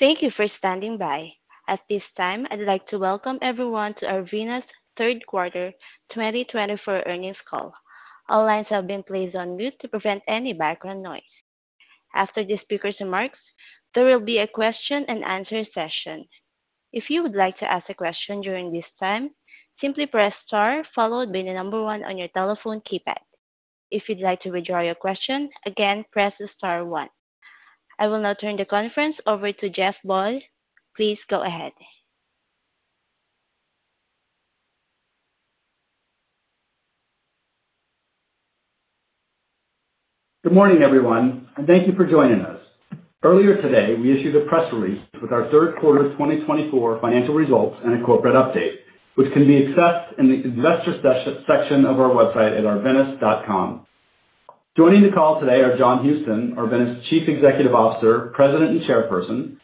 Thank you for standing by. At this time, I'd like to welcome everyone to Arvinas's third quarter 2024 earnings call. All lines have been placed on mute to prevent any background noise. After the speaker's remarks, there will be a question-and-answer session. If you would like to ask a question during this time, simply press star followed by the number one on your telephone keypad. If you'd like to withdraw your question, again, press the star one. I will now turn the conference over to Jeff Boyle. Please go ahead. Good morning, everyone, and thank you for joining us. Earlier today, we issued a press release with our third quarter 2024 financial results and a corporate update, which can be accessed in the investor section of our website at arvinas.com. Joining the call today are John Houston, Arvinas's Chief Executive Officer, President and Chairperson.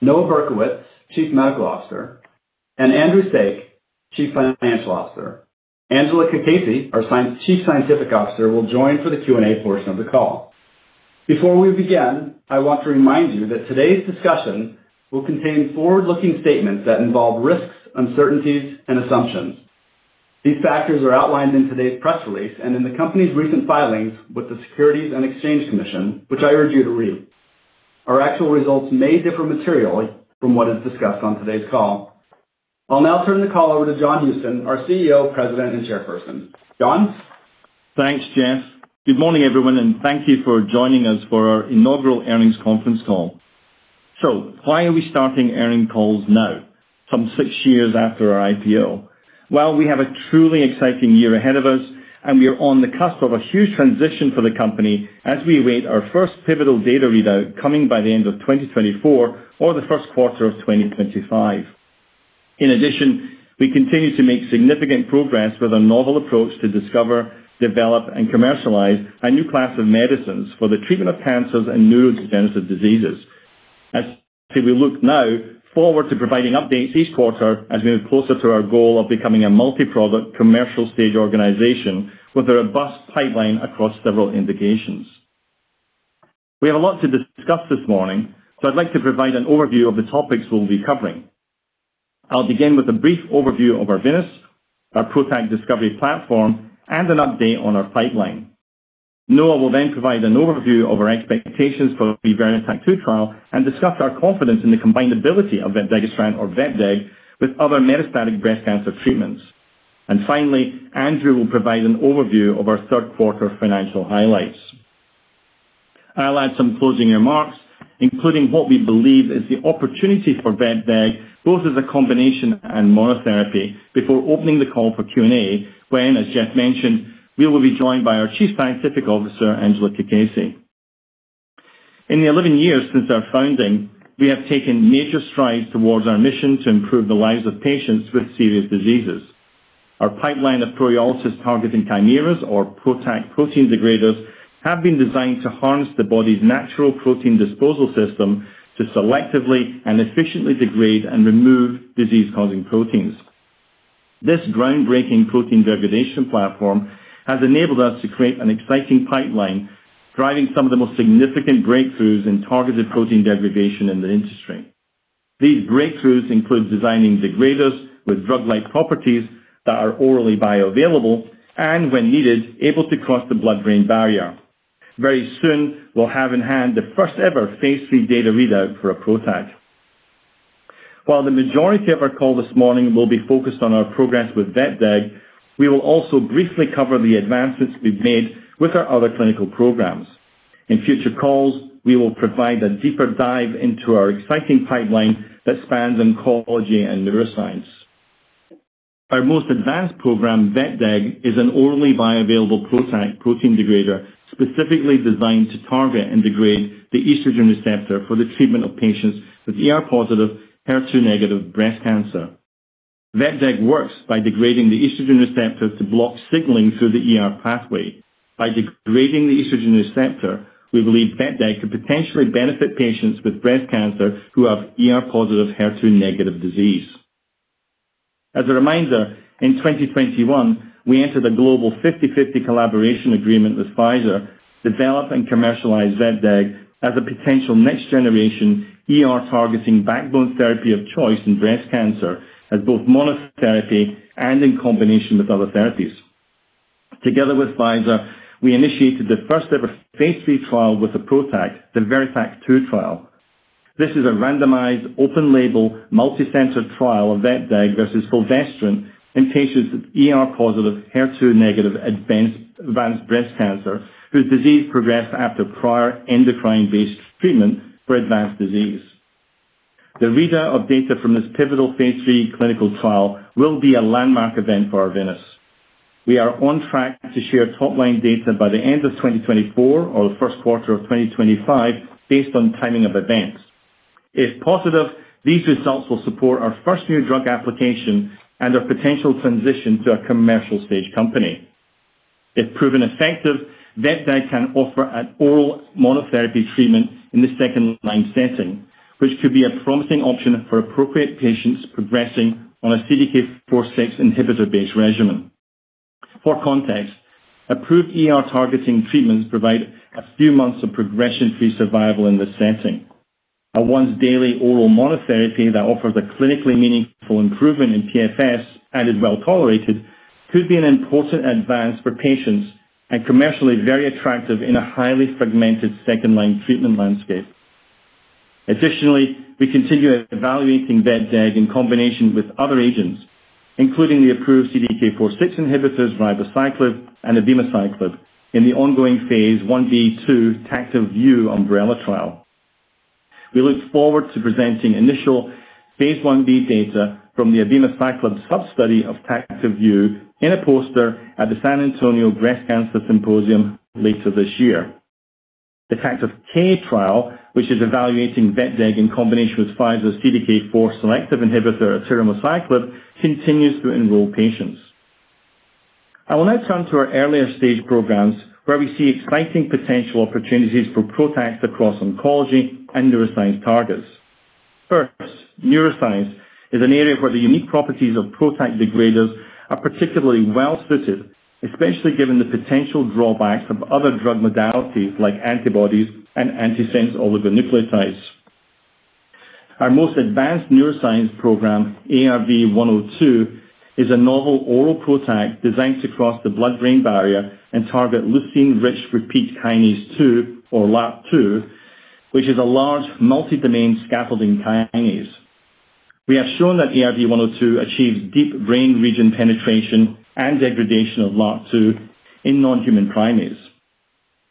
Noah Berkowitz, Chief Medical Officer, and Andrew Saik, Chief Financial Officer. Angela Cacace, our Chief Scientific Officer, will join for the Q&A portion of the call. Before we begin, I want to remind you that today's discussion will contain forward-looking statements that involve risks, uncertainties, and assumptions. These factors are outlined in today's press release and in the company's recent filings with the Securities and Exchange Commission, which I urge you to read. Our actual results may differ materially from what is discussed on today's call. I'll now turn the call over to John Houston, our CEO, President, and Chairperson. John? Thanks, Jeff. Good morning, everyone, and thank you for joining us for our inaugural earnings conference call. So, why are we starting earnings calls now, some six years after our IPO? Well, we have a truly exciting year ahead of us, and we are on the cusp of a huge transition for the company as we await our first pivotal data readout coming by the end of 2024 or the first quarter of 2025. In addition, we continue to make significant progress with our novel approach to discover, develop, and commercialize a new class of medicines for the treatment of cancers and neurodegenerative diseases. As we look now forward to providing updates each quarter as we move closer to our goal of becoming a multi-product commercial stage organization with a robust pipeline across several indications. We have a lot to discuss this morning, so I'd like to provide an overview of the topics we'll be covering. I'll begin with a brief overview of Arvinas, our PROTAC discovery platform, and an update on our pipeline. Noah will then provide an overview of our expectations for the VERITAC-2 trial and discuss our confidence in the combined ability of vepdegestrant or vepdeg with other metastatic breast cancer treatments. And finally, Andrew will provide an overview of our third quarter financial highlights. I'll add some closing remarks, including what we believe is the opportunity for vepdeg, both as a combination and monotherapy, before opening the call for Q&A when, as Jeff mentioned, we will be joined by our Chief Scientific Officer, Angela Cacace. In the 11 years since our founding, we have taken major strides towards our mission to improve the lives of patients with serious diseases. Our pipeline of PROTACs, or PROTAC protein degraders, have been designed to harness the body's natural protein disposal system to selectively and efficiently degrade and remove disease-causing proteins. This groundbreaking protein degradation platform has enabled us to create an exciting pipeline, driving some of the most significant breakthroughs in targeted protein degradation in the industry. These breakthroughs include designing degraders with drug-like properties that are orally bioavailable and, when needed, able to cross the blood-brain barrier. Very soon, we'll have in hand the first-ever phase III data readout for a PROTAC. While the majority of our call this morning will be focused on our progress with vepdeg, we will also briefly cover the advancements we've made with our other clinical programs. In future calls, we will provide a deeper dive into our exciting pipeline that spans oncology and neuroscience. Our most advanced program, vepdeg, is an orally bioavailable PROTAC protein degrader, specifically designed to target and degrade the estrogen receptor for the treatment of patients with ER-positive, HER2-negative breast cancer. vepdeg works by degrading the estrogen receptor to block signaling through the pathway. By degrading the estrogen receptor, we believe vepdeg could potentially benefit patients with breast cancer who have ER-positive, HER2-negative disease. As a reminder, in 2021, we entered a global 50/50 collaboration agreement with Pfizer to develop and commercialize vepdeg as a potential next-generation ER-targeting backbone therapy of choice in breast cancer, as both monotherapy and in combination with other therapies. Together with Pfizer, we initiated the first-ever phase III trial with a PROTAC, the VERITAC-2 trial. This is a randomized, open-label, multi-center trial of vepdeg versus fulvestrant in patients with ER-positive, HER2-negative advanced breast cancer whose disease progressed after prior endocrine-based treatment for advanced disease. The readout of data from this pivotal phase III clinical trial will be a landmark event for Arvinas. We are on track to share top-line data by the end of 2024 or the first quarter of 2025, based on timing of events. If positive, these results will support our first new drug application and our potential transition to a commercial stage company. If proven effective, vepdeg can offer an oral monotherapy treatment in the second-line setting, which could be a promising option for appropriate patients progressing on a CDK4/6 inhibitor-based regimen. For context, approved ER-targeting treatments provide a few months of progression-free survival in this setting. A once-daily oral monotherapy that offers a clinically meaningful improvement in PFS, and is well tolerated, could be an important advance for patients and commercially very attractive in a highly fragmented second-line treatment landscape. Additionally, we continue evaluating vepdeg in combination with other agents, including the approved CDK4/6 inhibitors, ribociclib, and abemaciclib, in the ongoing phase I-B/II TACTIVE-U umbrella trial. We look forward to presenting initial phase I-B data from the abemaciclib sub-study of TACTIVE-U in a poster at the San Antonio Breast Cancer Symposium later this year. The TACTIVE-K trial, which is evaluating vepdeg in combination with Pfizer's CDK4 selective inhibitor, atirmociclib, continues to enroll patients. I will now turn to our earlier stage programs, where we see exciting potential opportunities for PROTACs across oncology and neuroscience targets. First, neuroscience is an area where the unique properties of PROTAC degraders are particularly well-suited, especially given the potential drawbacks of other drug modalities like antibodies and antisense oligonucleotides. Our most advanced neuroscience program, ARV-102, is a novel oral PROTAC designed to cross the blood-brain barrier and target leucine-rich repeat kinase 2, or LRRK2, which is a large multi-domain scaffolding kinase. We have shown that ARV-102 achieves deep brain region penetration and degradation of LRRK2 in non-human primates.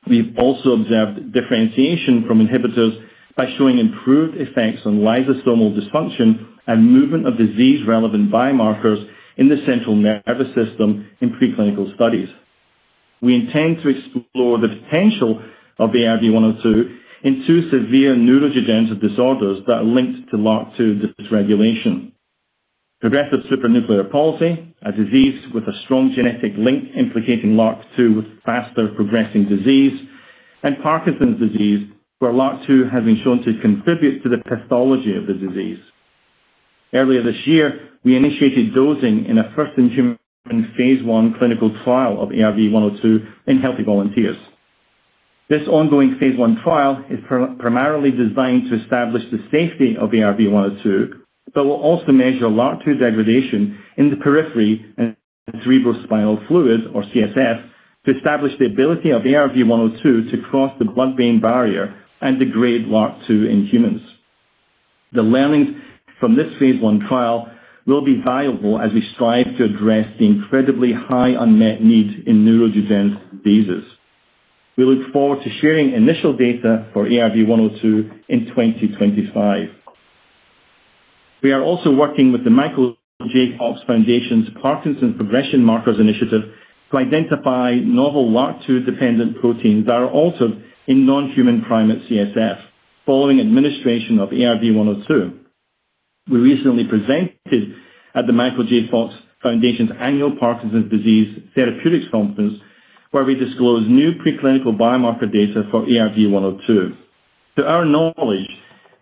We've also observed differentiation from inhibitors by showing improved effects on lysosomal dysfunction and movement of disease-relevant biomarkers in the central nervous system in preclinical studies. We intend to explore the potential of ARV-102 in two severe neurodegenerative disorders that are linked to LRRK2 dysregulation: progressive supranuclear palsy, a disease with a strong genetic link implicating LRRK2 with faster progressing disease, and Parkinson's disease, where LRRK2 has been shown to contribute to the pathology of the disease. Earlier this year, we initiated dosing in a first-in-human phase I clinical trial of ARV-102 in healthy volunteers. This ongoing phase I trial is primarily designed to establish the safety of ARV-102, but will also measure LRRK2 degradation in the periphery and cerebrospinal fluid, or CSF, to establish the ability of ARV-102 to cross the blood-brain barrier and degrade LRRK2 in humans. The learnings from this phase I trial will be valuable as we strive to address the incredibly high unmet need in neurodegenerative diseases. We look forward to sharing initial data for ARV-102 in 2025. We are also working with The Michael J. Fox Foundation's Parkinson's Progression Markers Initiative to identify novel LRRK2-dependent proteins that are altered in non-human primate CSF following administration of ARV-102. We recently presented at The Michael J. Fox Foundation's annual Parkinson's Disease Therapeutics Conference, where we disclosed new preclinical biomarker data for ARV-102. To our knowledge,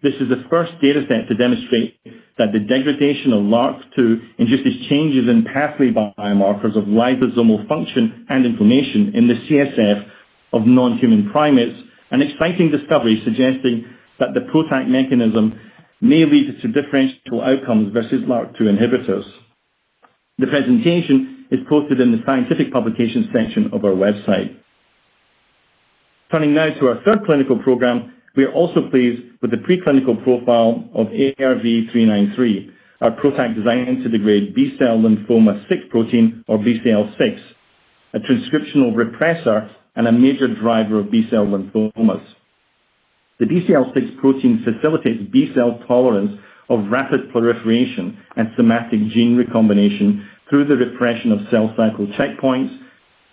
this is the first data set to demonstrate that the degradation of LRRK2 induces changes in pathway biomarkers of lysosomal function and inflammation in the CSF of non-human primates, an exciting discovery suggesting that the PROTAC mechanism may lead to differential outcomes versus LRRK2 inhibitors. The presentation is posted in the scientific publication section of our website. Turning now to our third clinical program, we are also pleased with the preclinical profile of ARV-393, our PROTAC designed to degrade B-cell lymphoma 6 protein, or BCL6, a transcriptional repressor and a major driver of B-cell lymphomas. The BCL6 protein facilitates B-cell tolerance of rapid proliferation and somatic gene recombination through the repression of cell cycle checkpoints,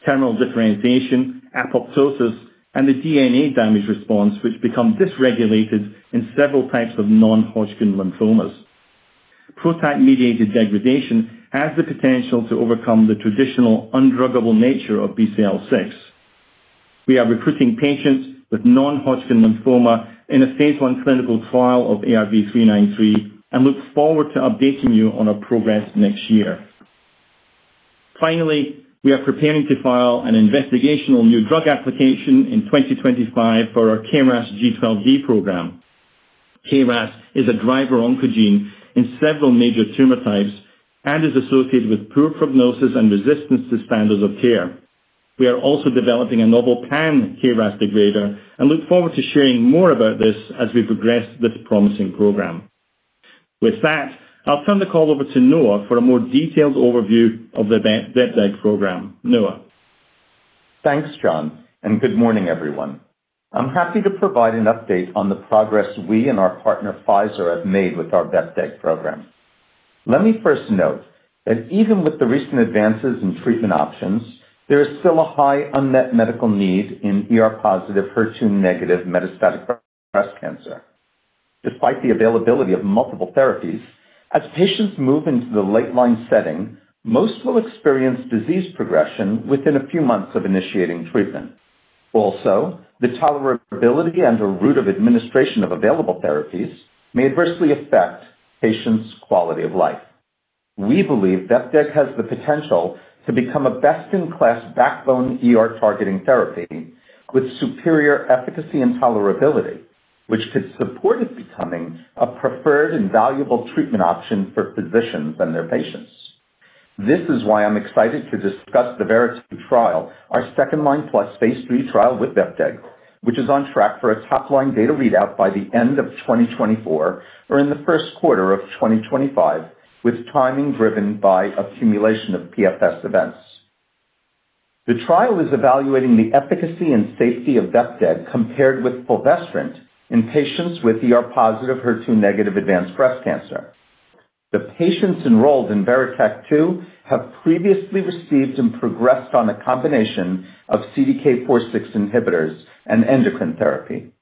terminal differentiation, apoptosis, and the DNA damage response, which becomes dysregulated in several types of non-Hodgkin lymphomas. PROTAC-mediated degradation has the potential to overcome the traditional undruggable nature of BCL6. We are recruiting patients with non-Hodgkin lymphoma in a phase I clinical trial of ARV-393 and look forward to updating you on our progress next year. Finally, we are preparing to file an investigational new drug application in 2025 for our KRAS G12D program. KRAS is a driver oncogene in several major tumor types and is associated with poor prognosis and resistance to standards of care. We are also developing a novel pan-KRAS degrader and look forward to sharing more about this as we progress this promising program. With that, I'll turn the call over to Noah for a more detailed overview of the vepdeg program. Noah. Thanks, John, and good morning, everyone. I'm happy to provide an update on the progress we and our partner, Pfizer, have made with our vepdeg program. Let me first note that even with the recent advances in treatment options, there is still a high unmet medical need in ER-positive, HER2-negative metastatic breast cancer. Despite the availability of multiple therapies, as patients move into the late-line setting, most will experience disease progression within a few months of initiating treatment. Also, the tolerability and/or route of administration of available therapies may adversely affect patients' quality of life. We believe vepdeg has the potential to become a best-in-class backbone ER-targeting therapy with superior efficacy and tolerability, which could support it becoming a preferred and valuable treatment option for physicians and their patients. This is why I'm excited to discuss the VERITAC-2 trial, our second-line plus phase III trial with vepdeg, which is on track for a top-line data readout by the end of 2024 or in the first quarter of 2025, with timing driven by accumulation of PFS events. The trial is evaluating the efficacy and safety of vepdeg compared with fulvestrant in patients with ER-positive, HER2-negative advanced breast cancer. The patients enrolled in VERITAC-2 have previously received and progressed on a combination of CDK4/6 inhibitors and endocrine therapy.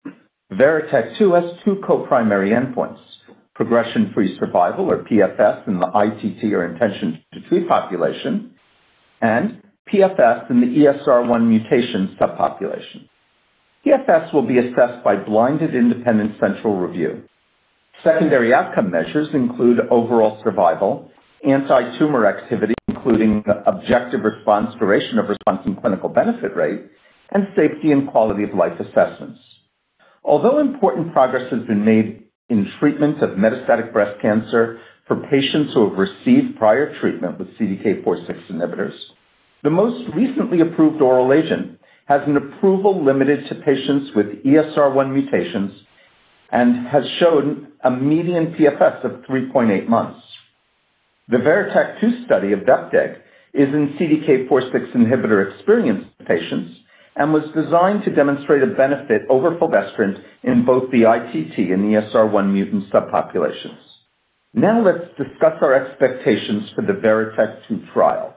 VERITAC-2 has two co-primary endpoints: progression-free survival, or PFS, in the ITT or intention to treat population, and PFS in the ESR1 mutation subpopulation. PFS will be assessed by blinded independent central review. Secondary outcome measures include overall survival, anti-tumor activity, including the objective response, duration of response, and clinical benefit rate, and safety and quality of life assessments. Although important progress has been made in treatment of metastatic breast cancer for patients who have received prior treatment with CDK4/6 inhibitors, the most recently approved oral agent has an approval limited to patients with ESR1 mutations and has shown a median PFS of 3.8 months. The VERITAC-2 study of vepdeg is in CDK4/6 inhibitor experienced patients and was designed to demonstrate a benefit over fulvestrant in both the ITT and ESR1 mutant subpopulations. Now, let's discuss our expectations for the VERITAC-2 trial.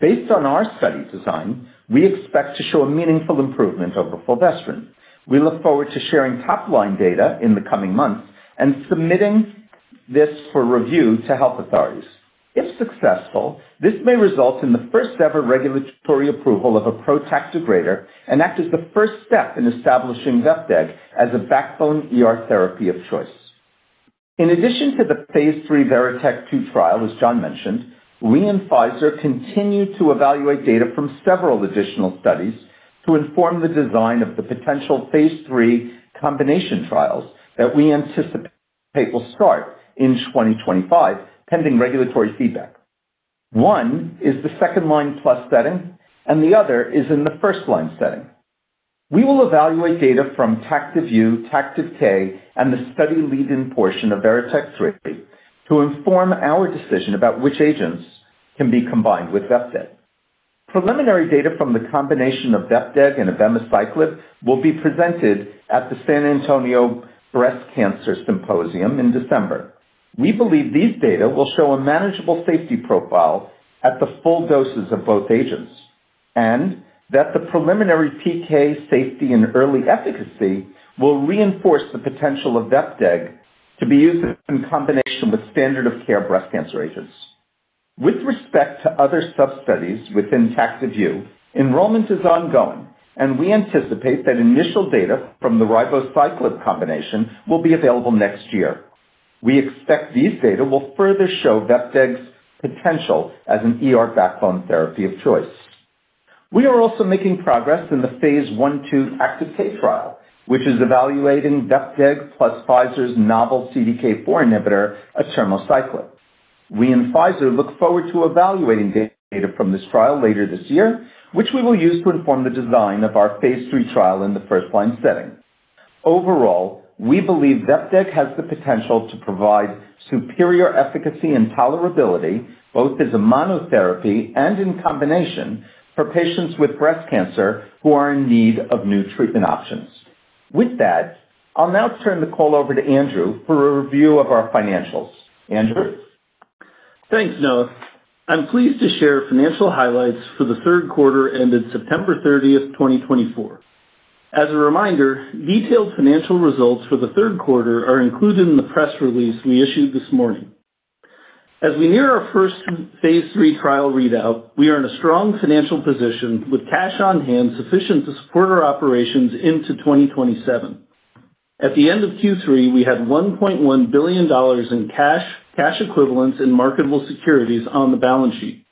Based on our study design, we expect to show a meaningful improvement over fulvestrant. We look forward to sharing top-line data in the coming months and submitting this for review to health authorities. If successful, this may result in the first-ever regulatory approval of a PROTAC degrader and act as the first step in establishing vepdeg as a backbone therapy of choice. In addition to the phase III VERITAC-2 trial, as John mentioned, we and Pfizer continue to evaluate data from several additional studies to inform the design of the potential phase III combination trials that we anticipate will start in 2025, pending regulatory feedback. One is the second-line plus setting, and the other is in the first-line setting. We will evaluate data from TACTIVE-U, TACTIVE-K, and the study lead-in portion of VERITAC-3 to inform our decision about which agents can be combined with vepdeg. Preliminary data from the combination of vepdeg and abemaciclib will be presented at the San Antonio Breast Cancer Symposium in December. We believe these data will show a manageable safety profile at the full doses of both agents and that the preliminary PK safety and early efficacy will reinforce the potential of vepdeg to be used in combination with standard-of-care breast cancer agents. With respect to other sub-studies within TACTIVE-U, enrollment is ongoing, and we anticipate that initial data from the ribociclib combination will be available next year. We expect these data will further show vepdeg's potential as a backbone therapy of choice. We are also making progress in the phase I/II TACTIVE-K trial, which is evaluating vepdeg plus Pfizer's novel CDK4 inhibitor, atirmociclib. We and Pfizer look forward to evaluating data from this trial later this year, which we will use to inform the design of our phase III trial in the first-line setting. Overall, we believe vepdeg has the potential to provide superior efficacy and tolerability, both as a monotherapy and in combination for patients with breast cancer who are in need of new treatment options. With that, I'll now turn the call over to Andrew for a review of our financials. Andrew? Thanks, Noah. I'm pleased to share financial highlights for the third quarter ended September 30th, 2024. As a reminder, detailed financial results for the third quarter are included in the press release we issued this morning. As we near our first phase III trial readout, we are in a strong financial position with cash on hand sufficient to support our operations into 2027. At the end of Q3, we had $1.1 billion in cash, cash equivalents, and marketable securities on the balance sheet.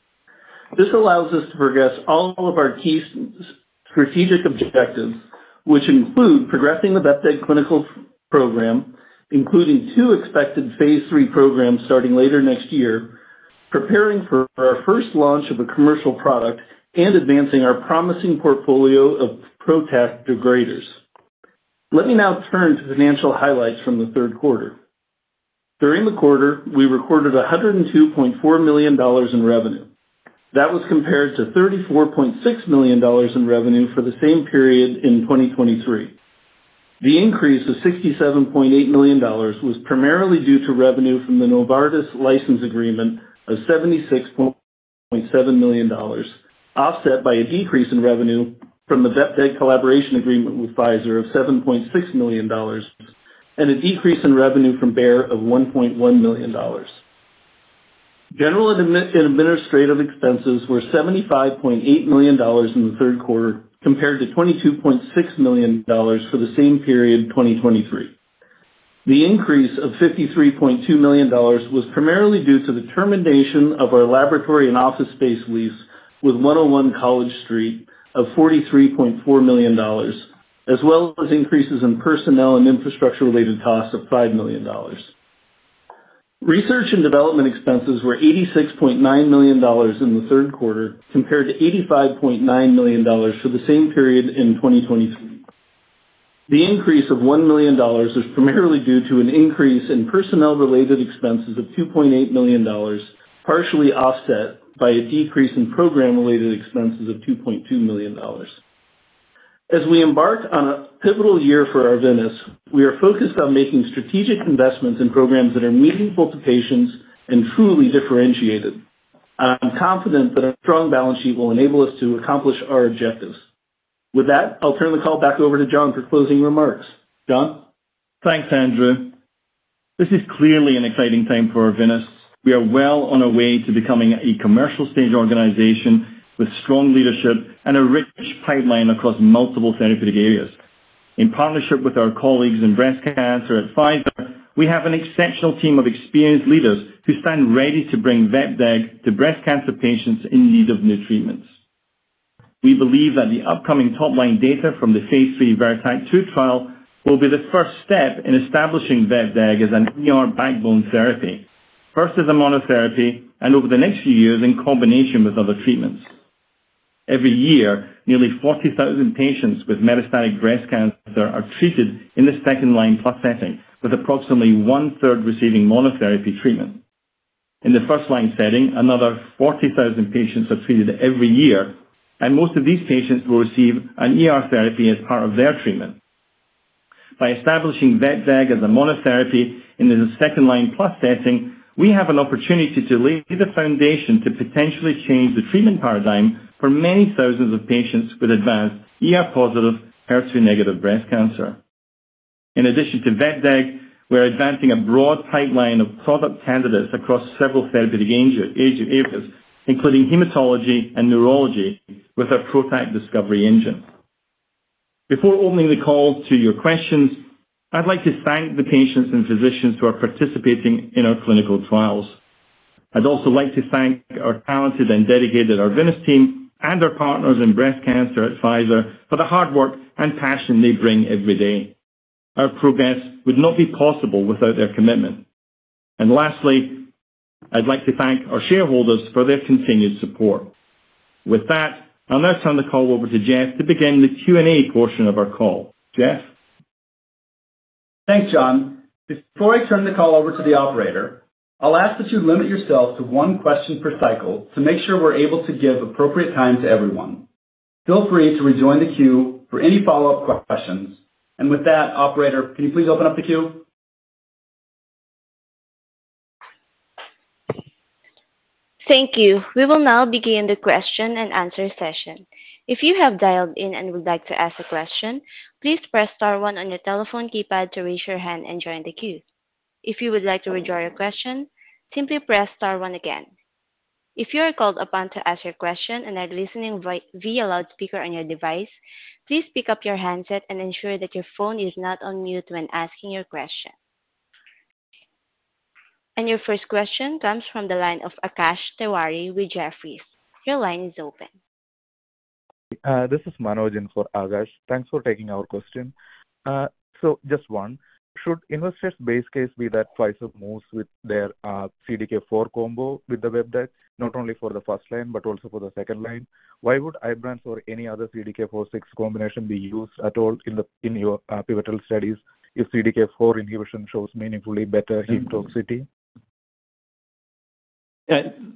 This allows us to progress all of our key strategic objectives, which include progressing the vepdeg clinical program, including two expected phase III programs starting later next year, preparing for our first launch of a commercial product, and advancing our promising portfolio of PROTAC degraders. Let me now turn to financial highlights from the third quarter. During the quarter, we recorded $102.4 million in revenue. That was compared to $34.6 million in revenue for the same period in 2023. The increase of $67.8 million was primarily due to revenue from the Novartis license agreement of $76.7 million, offset by a decrease in revenue from the vepdeg collaboration agreement with Pfizer of $7.6 million, and a decrease in revenue from Bayer of $1.1 million. General and administrative expenses were $75.8 million in the third quarter, compared to $22.6 million for the same period, 2023. The increase of $53.2 million was primarily due to the termination of our laboratory and office space lease with 101 College Street of $43.4 million, as well as increases in personnel and infrastructure-related costs of $5 million. Research and development expenses were $86.9 million in the third quarter, compared to $85.9 million for the same period in 2023. The increase of $1 million was primarily due to an increase in personnel-related expenses of $2.8 million, partially offset by a decrease in program-related expenses of $2.2 million. As we embark on a pivotal year for Arvinas, we are focused on making strategic investments in programs that are meaningful to patients and truly differentiated. I'm confident that a strong balance sheet will enable us to accomplish our objectives. With that, I'll turn the call back over to John for closing remarks. John? Thanks, Andrew. This is clearly an exciting time for Arvinas. We are well on our way to becoming a commercial-stage organization with strong leadership and a rich pipeline across multiple therapeutic areas. In partnership with our colleagues in breast cancer at Pfizer, we have an exceptional team of experienced leaders who stand ready to bring vepdeg to breast cancer patients in need of new treatments. We believe that the upcoming top-line data from the phase III VERITAC-2 trial will be the first step in establishing vepdeg as a backbone therapy, first as a monotherapy, and over the next few years in combination with other treatments. Every year, nearly 40,000 patients with metastatic breast cancer are treated in the second-line plus setting, with approximately one-third receiving monotherapy treatment. In the first-line setting, another 40,000 patients are treated every year, and most of these patients will receive a therapy as part of their treatment. By establishing vepdeg as a monotherapy in the second-line plus setting, we have an opportunity to lay the foundation to potentially change the treatment paradigm for many thousands of patients with advanced ER-positive, HER2-negative breast cancer. In addition to vepdeg, we're advancing a broad pipeline of product candidates across several therapeutic areas, including hematology and neurology, with our PROTAC discovery engine. Before opening the call to your questions, I'd like to thank the patients and physicians who are participating in our clinical trials. I'd also like to thank our talented and dedicated Arvinas team and our partners in breast cancer at Pfizer for the hard work and passion they bring every day. Our progress would not be possible without their commitment. And lastly, I'd like to thank our shareholders for their continued support. With that, I'll now turn the call over to Jeff to begin the Q&A portion of our call. Jeff? Thanks, John. Before I turn the call over to the operator, I'll ask that you limit yourself to one question per cycle to make sure we're able to give appropriate time to everyone. Feel free to rejoin the queue for any follow-up questions. And with that, operator, can you please open up the queue? Thank you. We will now begin the question and answer session. If you have dialed in and would like to ask a question, please press star one on your telephone keypad to raise your hand and join the queue. If you would like to withdraw your question, simply press star one again. If you are called upon to ask your question and are listening via loudspeaker on your device, please pick up your handset and ensure that your phone is not on mute when asking your question. And your first question comes from the line of Akash Tewari with Jefferies. Your line is open. This is Manoj in for Akash. Thanks for taking our question. So just one. Should investors' base case be that Pfizer moves with their CDK4 combo with the vepdeg, not only for the first line but also for the second line? Why would IBRANCE or any other CDK4/6 combination be used at all in your pivotal studies if CDK4 inhibition shows meaningfully better hematologic toxicity?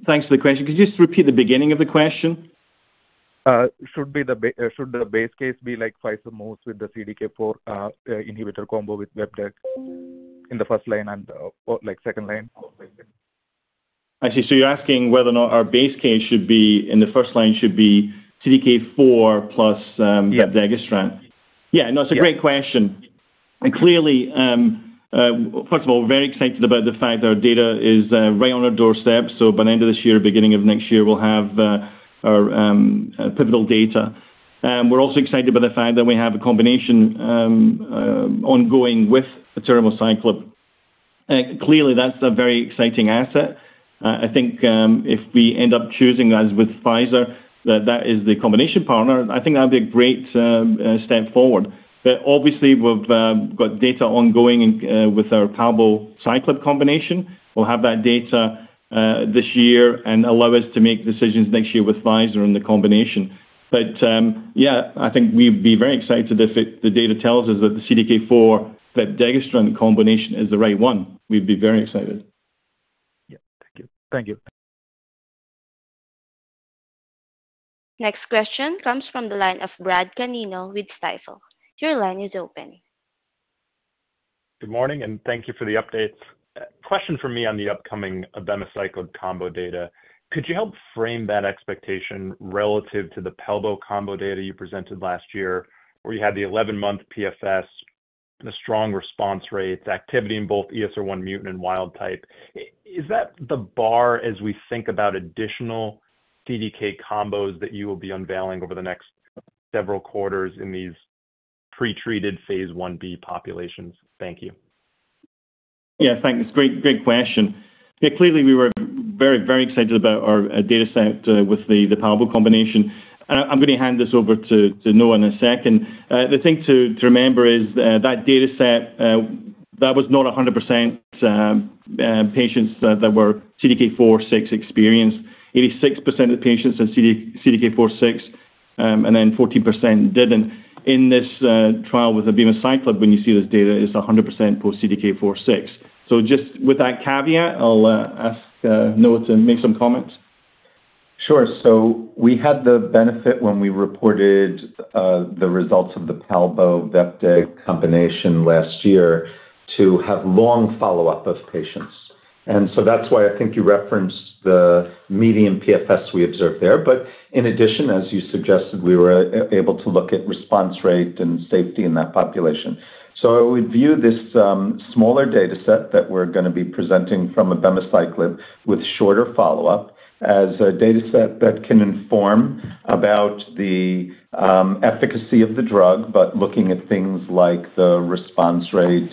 Thanks for the question. Could you just repeat the beginning of the question? Should the base case be like Pfizer moves with the CDK4 inhibitor combo with vepdeg in the first line and second line? I see. So you're asking whether or not our base case should be in the first line, CDK4 plus vepdegestrant, is that right? Yes. Yeah. No, it's a great question. And clearly, first of all, we're very excited about the fact that our data is right on our doorstep. So by the end of this year or beginning of next year, we'll have our pivotal data. We're also excited by the fact that we have a combination ongoing with atirmociclib. Clearly, that's a very exciting asset. I think if we end up choosing, as with Pfizer, that that is the combination partner, I think that would be a great step forward. But obviously, we've got data ongoing with our palbociclib combination. We'll have that data this year and allow us to make decisions next year with Pfizer and the combination. But yeah, I think we'd be very excited if the data tells us that the CDK4 vepdegestrant combination is the right one. We'd be very excited. Yeah. Thank you. Thank you. Next question comes from the line of Brad Canino with Stifel. Your line is open. Good morning, and thank you for the updates. Question for me on the upcoming abemaciclib combo data. Could you help frame that expectation relative to the palbociclib combo data you presented last year, where you had the 11-month PFS and a strong response rate, activity in both ESR1 mutant and wild type? Is that the bar as we think about additional CDK combos that you will be unveiling over the next several quarters in these pretreated phase I-B populations? Thank you. Yeah. Thanks. Great question. Clearly, we were very, very excited about our data set with the palbociclib combination. And I'm going to hand this over to Noah in a second. The thing to remember is that data set, that was not 100% patients that were CDK4/6 experienced. 86% of patients are CDK4/6, and then 14% didn't. In this trial with abemaciclib, when you see this data, it's 100% post-CDK4/6. So just with that caveat, I'll ask Noah to make some comments. Sure. So we had the benefit when we reported the results of the palbociclib vepdeg combination last year to have long follow-up of patients. And so that's why I think you referenced the median PFS we observed there. But in addition, as you suggested, we were able to look at response rate and safety in that population. So I would view this smaller data set that we're going to be presenting from abemaciclib with shorter follow-up as a data set that can inform about the efficacy of the drug, but looking at things like the response rate,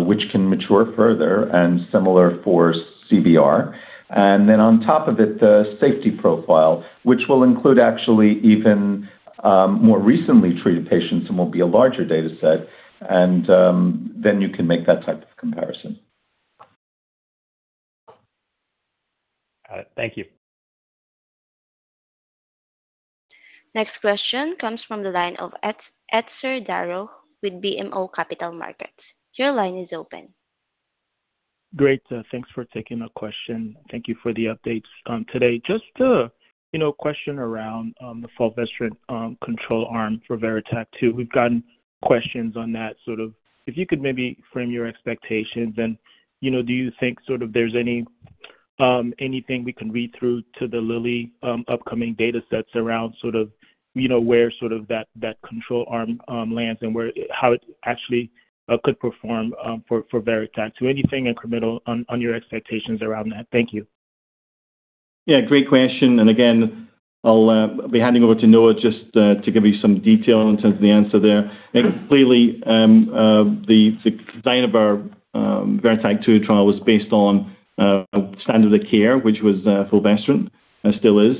which can mature further, and similar for CBR. And then on top of it, the safety profile, which will include actually even more recently treated patients and will be a larger data set. And then you can make that type of comparison. Got it. Thank you. Next question comes from the line of Etzer Darout with BMO Capital Markets. Your line is open. Great. Thanks for taking the question. Thank you for the updates today. Just a question around the fulvestrant control arm for VERITAC-2. We've gotten questions on that. Sort of if you could maybe frame your expectations, and do you think sort of there's anything we can read through to the Lilly upcoming data sets around sort of where sort of that control arm lands and how it actually could perform for VERITAC-2? So anything incremental on your expectations around that? Thank you. Yeah. Great question. And again, I'll be handing over to Noah just to give you some detail in terms of the answer there. Clearly, the design of our VERITAC-2 trial was based on standard of care, which was fulvestrant, still is.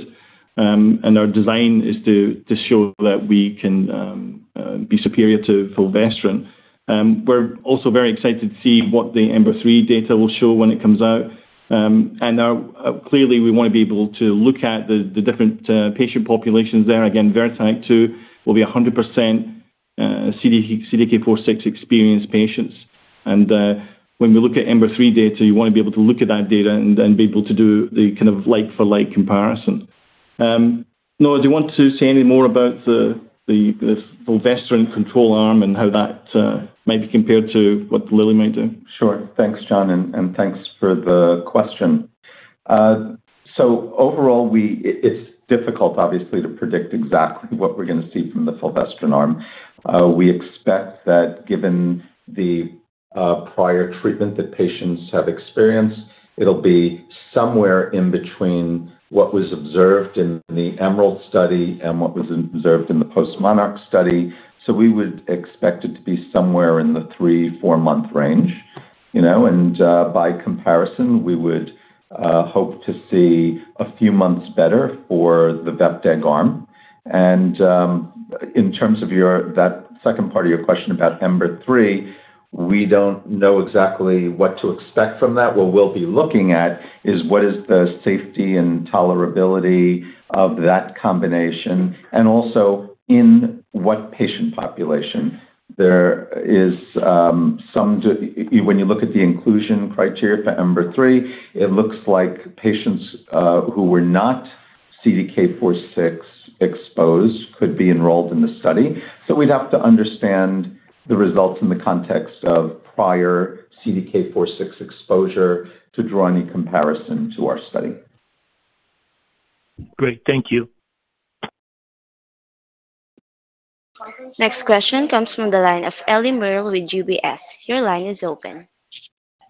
And our design is to show that we can be superior to fulvestrant. We're also very excited to see what the EMBER-3 data will show when it comes out. And clearly, we want to be able to look at the different patient populations there. Again, VERITAC-2 will be 100% CDK4/6 experienced patients. And when we look at EMBER-3 data, you want to be able to look at that data and be able to do the kind of like-for-like comparison. Noah, do you want to say any more about the fulvestrant control arm and how that might be compared to what the Lilly might do? Sure. Thanks, John. And thanks for the question. So overall, it's difficult, obviously, to predict exactly what we're going to see from the fulvestrant arm. We expect that given the prior treatment that patients have experienced, it'll be somewhere in between what was observed in the EMERALD study and what was observed in the postMONARCH study. So we would expect it to be somewhere in the three- to four-month range. And by comparison, we would hope to see a few months better for the vepdeg arm. And in terms of that second part of your question about EMBER-3, we don't know exactly what to expect from that. What we'll be looking at is what is the safety and tolerability of that combination, and also in what patient population. When you look at the inclusion criteria for EMBER-3, it looks like patients who were not CDK4/6 exposed could be enrolled in the study. So we'd have to understand the results in the context of prior CDK4/6 exposure to draw any comparison to our study. Great. Thank you. Next question comes from the line of Ellie Merle with UBS. Your line is open.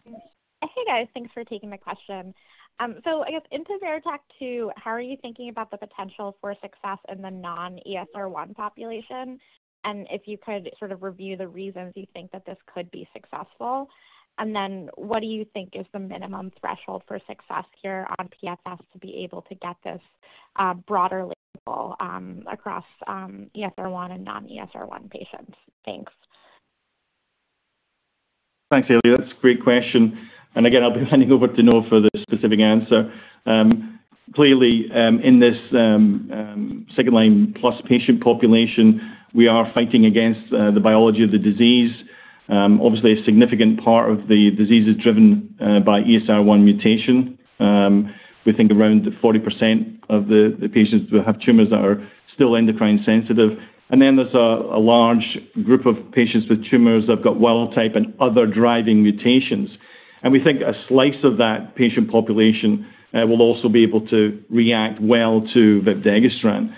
Hey, guys. Thanks for taking my question. So I guess into VERITAC-2, how are you thinking about the potential for success in the non-ESR1 population? And if you could sort of review the reasons you think that this could be successful. And then what do you think is the minimum threshold for success here on PFS to be able to get this broader label across ESR1 and non-ESR1 patients? Thanks. Thanks, Ellie. That's a great question. And again, I'll be handing over to Noah for the specific answer. Clearly, in this second-line plus patient population, we are fighting against the biology of the disease. Obviously, a significant part of the disease is driven by ESR1 mutation. We think around 40% of the patients will have tumors that are still endocrine sensitive. And then there's a large group of patients with tumors that have got wild type and other driving mutations. And we think a slice of that patient population will also be able to react well to vepdegestrant.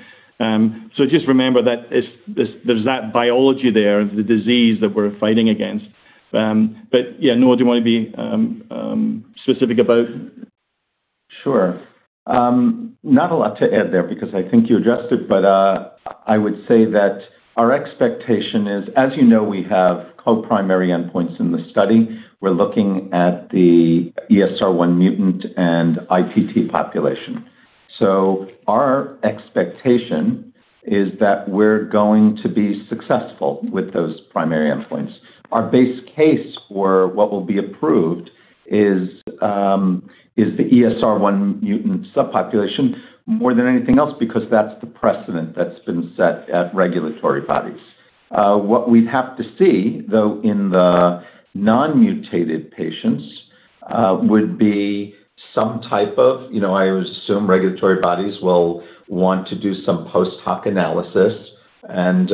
So just remember that there's that biology there, the disease that we're fighting against. But yeah, Noah, do you want to be specific about? Sure. Not a lot to add there because I think you addressed it, but I would say that our expectation is, as you know, we have co-primary endpoints in the study. We're looking at the ESR1 mutant and ITT population. So our expectation is that we're going to be successful with those primary endpoints. Our base case for what will be approved is the ESR1 mutant subpopulation more than anything else because that's the precedent that's been set at regulatory bodies. What we'd have to see, though, in the non-mutated patients would be some type of. I would assume regulatory bodies will want to do some post-hoc analysis, and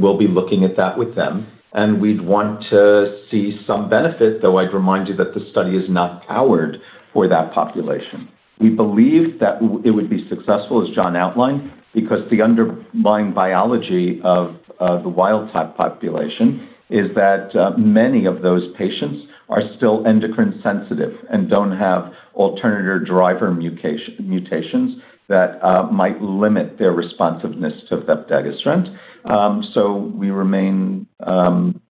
we'll be looking at that with them. And we'd want to see some benefit, though I'd remind you that the study is not powered for that population. We believe that it would be successful, as John outlined, because the underlying biology of the wild type population is that many of those patients are still endocrine sensitive and don't have alternative driver mutations that might limit their responsiveness to vepdegestrant. So we remain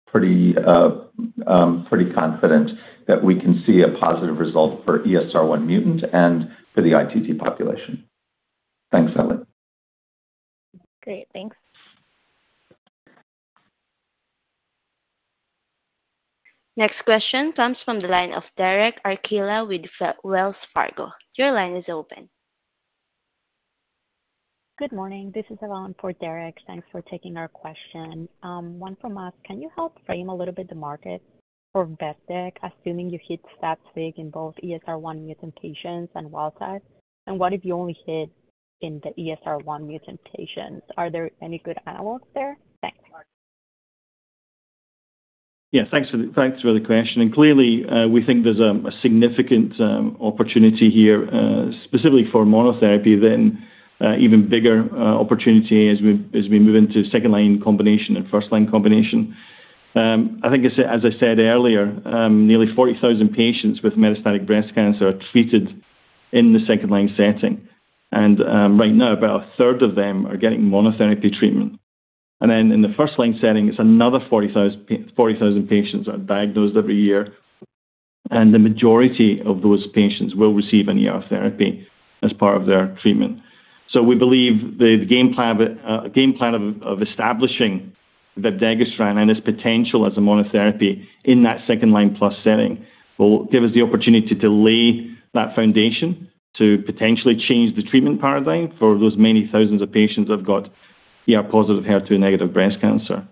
pretty confident that we can see a positive result for ESR1 mutant and for the ITT population. Thanks, Ellie. Great. Thanks. Next question comes from the line of Derek Archila with Wells Fargo. Your line is open. Good morning. This is Yvonne for Derek. Thanks for taking our question. One from us, can you help frame a little bit the market for vepdeg, assuming you hit stat sig in both ESR1 mutant patients and wild type? And what if you only hit in the ESR1 mutant patients? Are there any good analogues there? Thanks. Yeah. Thanks for the question. And clearly, we think there's a significant opportunity here, specifically for monotherapy, then even bigger opportunity as we move into second-line combination and first-line combination. I think, as I said earlier, nearly 40,000 patients with metastatic breast cancer are treated in the second-line setting. And right now, about a third of them are getting monotherapy treatment. And then in the first-line setting, it's another 40,000 patients that are diagnosed every year. And the majority of those patients will receive any of therapy as part of their treatment. So we believe the game plan of establishing vepdegestrant and its potential as a monotherapy in that second-line plus setting will give us the opportunity to lay that foundation to potentially change the treatment paradigm for those many thousands of patients that have got ER-positive HER2-negative breast cancer.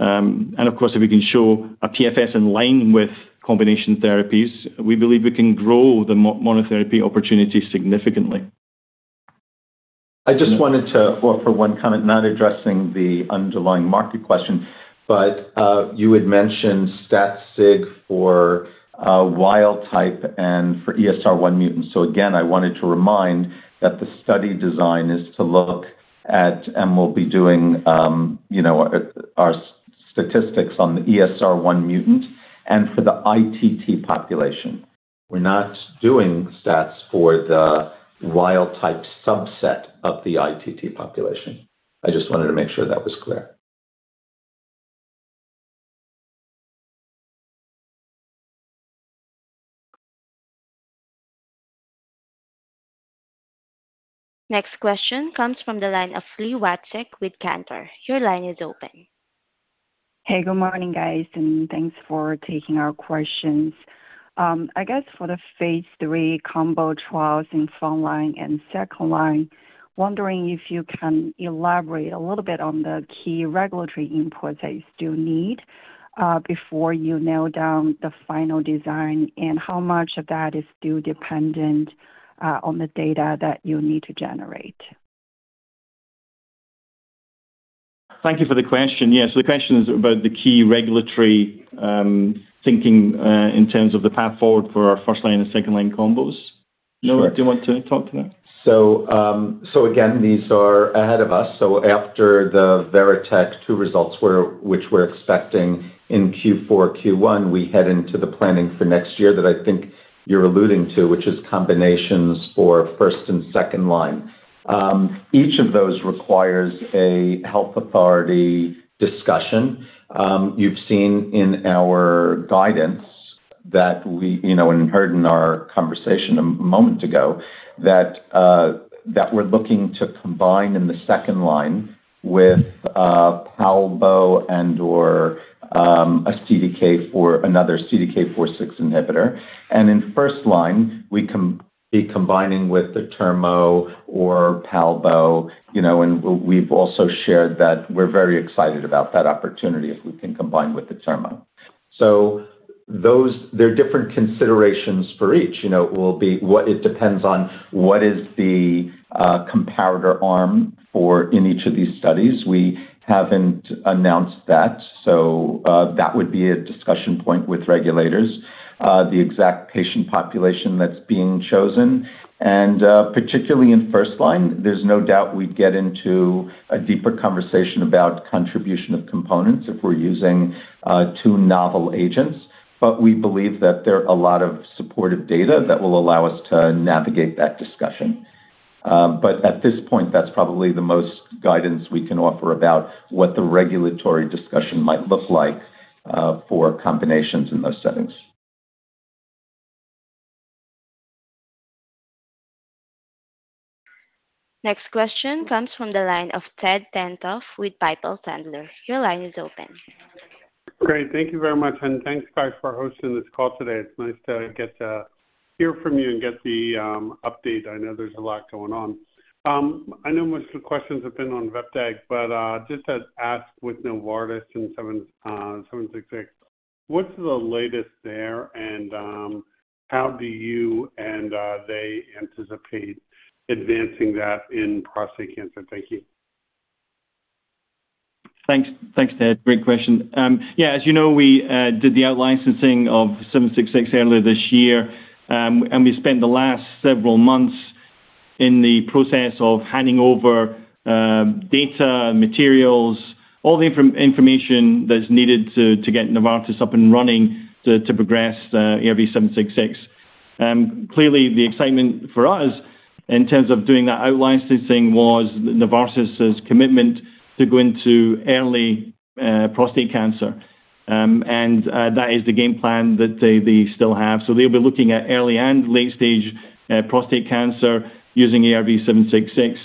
Of course, if we can show a PFS in line with combination therapies, we believe we can grow the monotherapy opportunity significantly. I just wanted to offer one comment, not addressing the underlying market question, but you had mentioned stat sig for wild type and for ESR1 mutant. So again, I wanted to remind that the study design is to look at and we'll be doing our statistics on the ESR1 mutant and for the ITT population. We're not doing stats for the wild type subset of the ITT population. I just wanted to make sure that was clear. Next question comes from the line of Li Watsek with Cantor. Your line is open. Hey, good morning, guys. And thanks for taking our questions. I guess for the phase III combo trials in first-line and second-line, wondering if you can elaborate a little bit on the key regulatory inputs that you still need before you nail down the final design and how much of that is still dependent on the data that you'll need to generate? Thank you for the question. Yes. The question is about the key regulatory thinking in terms of the path forward for our first-line and second-line combos. Noah, do you want to talk to that? So again, these are ahead of us. So after the VERITAC-2 results, which we're expecting in Q4, Q1, we head into the planning for next year that I think you're alluding to, which is combinations for first and second line. Each of those requires a health authority discussion. You've seen in our guidance that we and heard in our conversation a moment ago that we're looking to combine in the second line with palbociclib and/or another CDK4/6 inhibitor. And in first line, we can be combining with the atirmociclib or palbociclib. And we've also shared that we're very excited about that opportunity if we can combine with the atirmociclib. So there are different considerations for each. It depends on what is the comparator arm for in each of these studies. We haven't announced that. So that would be a discussion point with regulators, the exact patient population that's being chosen. And particularly in first line, there's no doubt we'd get into a deeper conversation about contribution of components if we're using two novel agents. But we believe that there are a lot of supportive data that will allow us to navigate that discussion. But at this point, that's probably the most guidance we can offer about what the regulatory discussion might look like for combinations in those settings. Next question comes from the line of Ted Tenthoff with Piper Sandler. Your line is open. Great. Thank you very much. And thanks, guys, for hosting this call today. It's nice to get to hear from you and get the update. I know there's a lot going on. I know most of the questions have been on vepdeg, but just to ask with Novartis and ARV-766, what's the latest there? And how do you and they anticipate advancing that in prostate cancer? Thank you. Thanks, Ted. Great question. Yeah. As you know, we did the out-licensing of ARV-766 earlier this year, and we spent the last several months in the process of handing over data and materials, all the information that's needed to get Novartis up and running to progress ARV-766. Clearly, the excitement for us in terms of doing that out-licensing was Novartis's commitment to go into early prostate cancer, and that is the game plan that they still have, so they'll be looking at early and late-stage prostate cancer using ARV-766,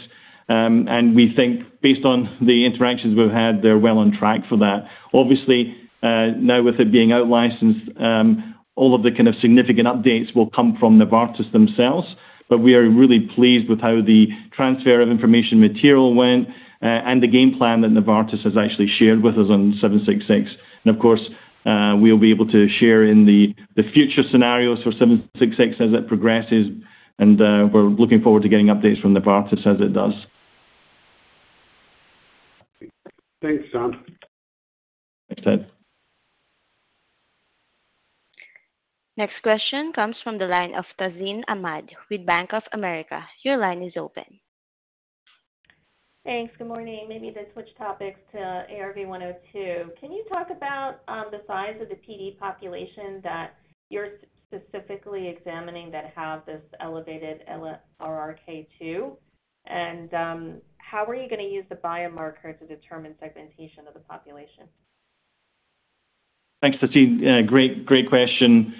and we think, based on the interactions we've had, they're well on track for that. Obviously, now with it being out-licensed, all of the kind of significant updates will come from Novartis themselves. But we are really pleased with how the transfer of information material went and the game plan that Novartis has actually shared with us on ARV-766. And of course, we'll be able to share in the future scenarios for ARV-766 as it progresses. And we're looking forward to getting updates from Novartis as it does. Thanks, John. Thanks, Ted. Next question comes from the line of Tazeen Ahmad with Bank of America. Your line is open. Thanks. Good morning. Maybe to switch topics to ARV-102, can you talk about the size of the PD population that you're specifically examining that have this elevated LRRK2? And how are you going to use the biomarker to determine segmentation of the population? Thanks, Tazeen. Great question.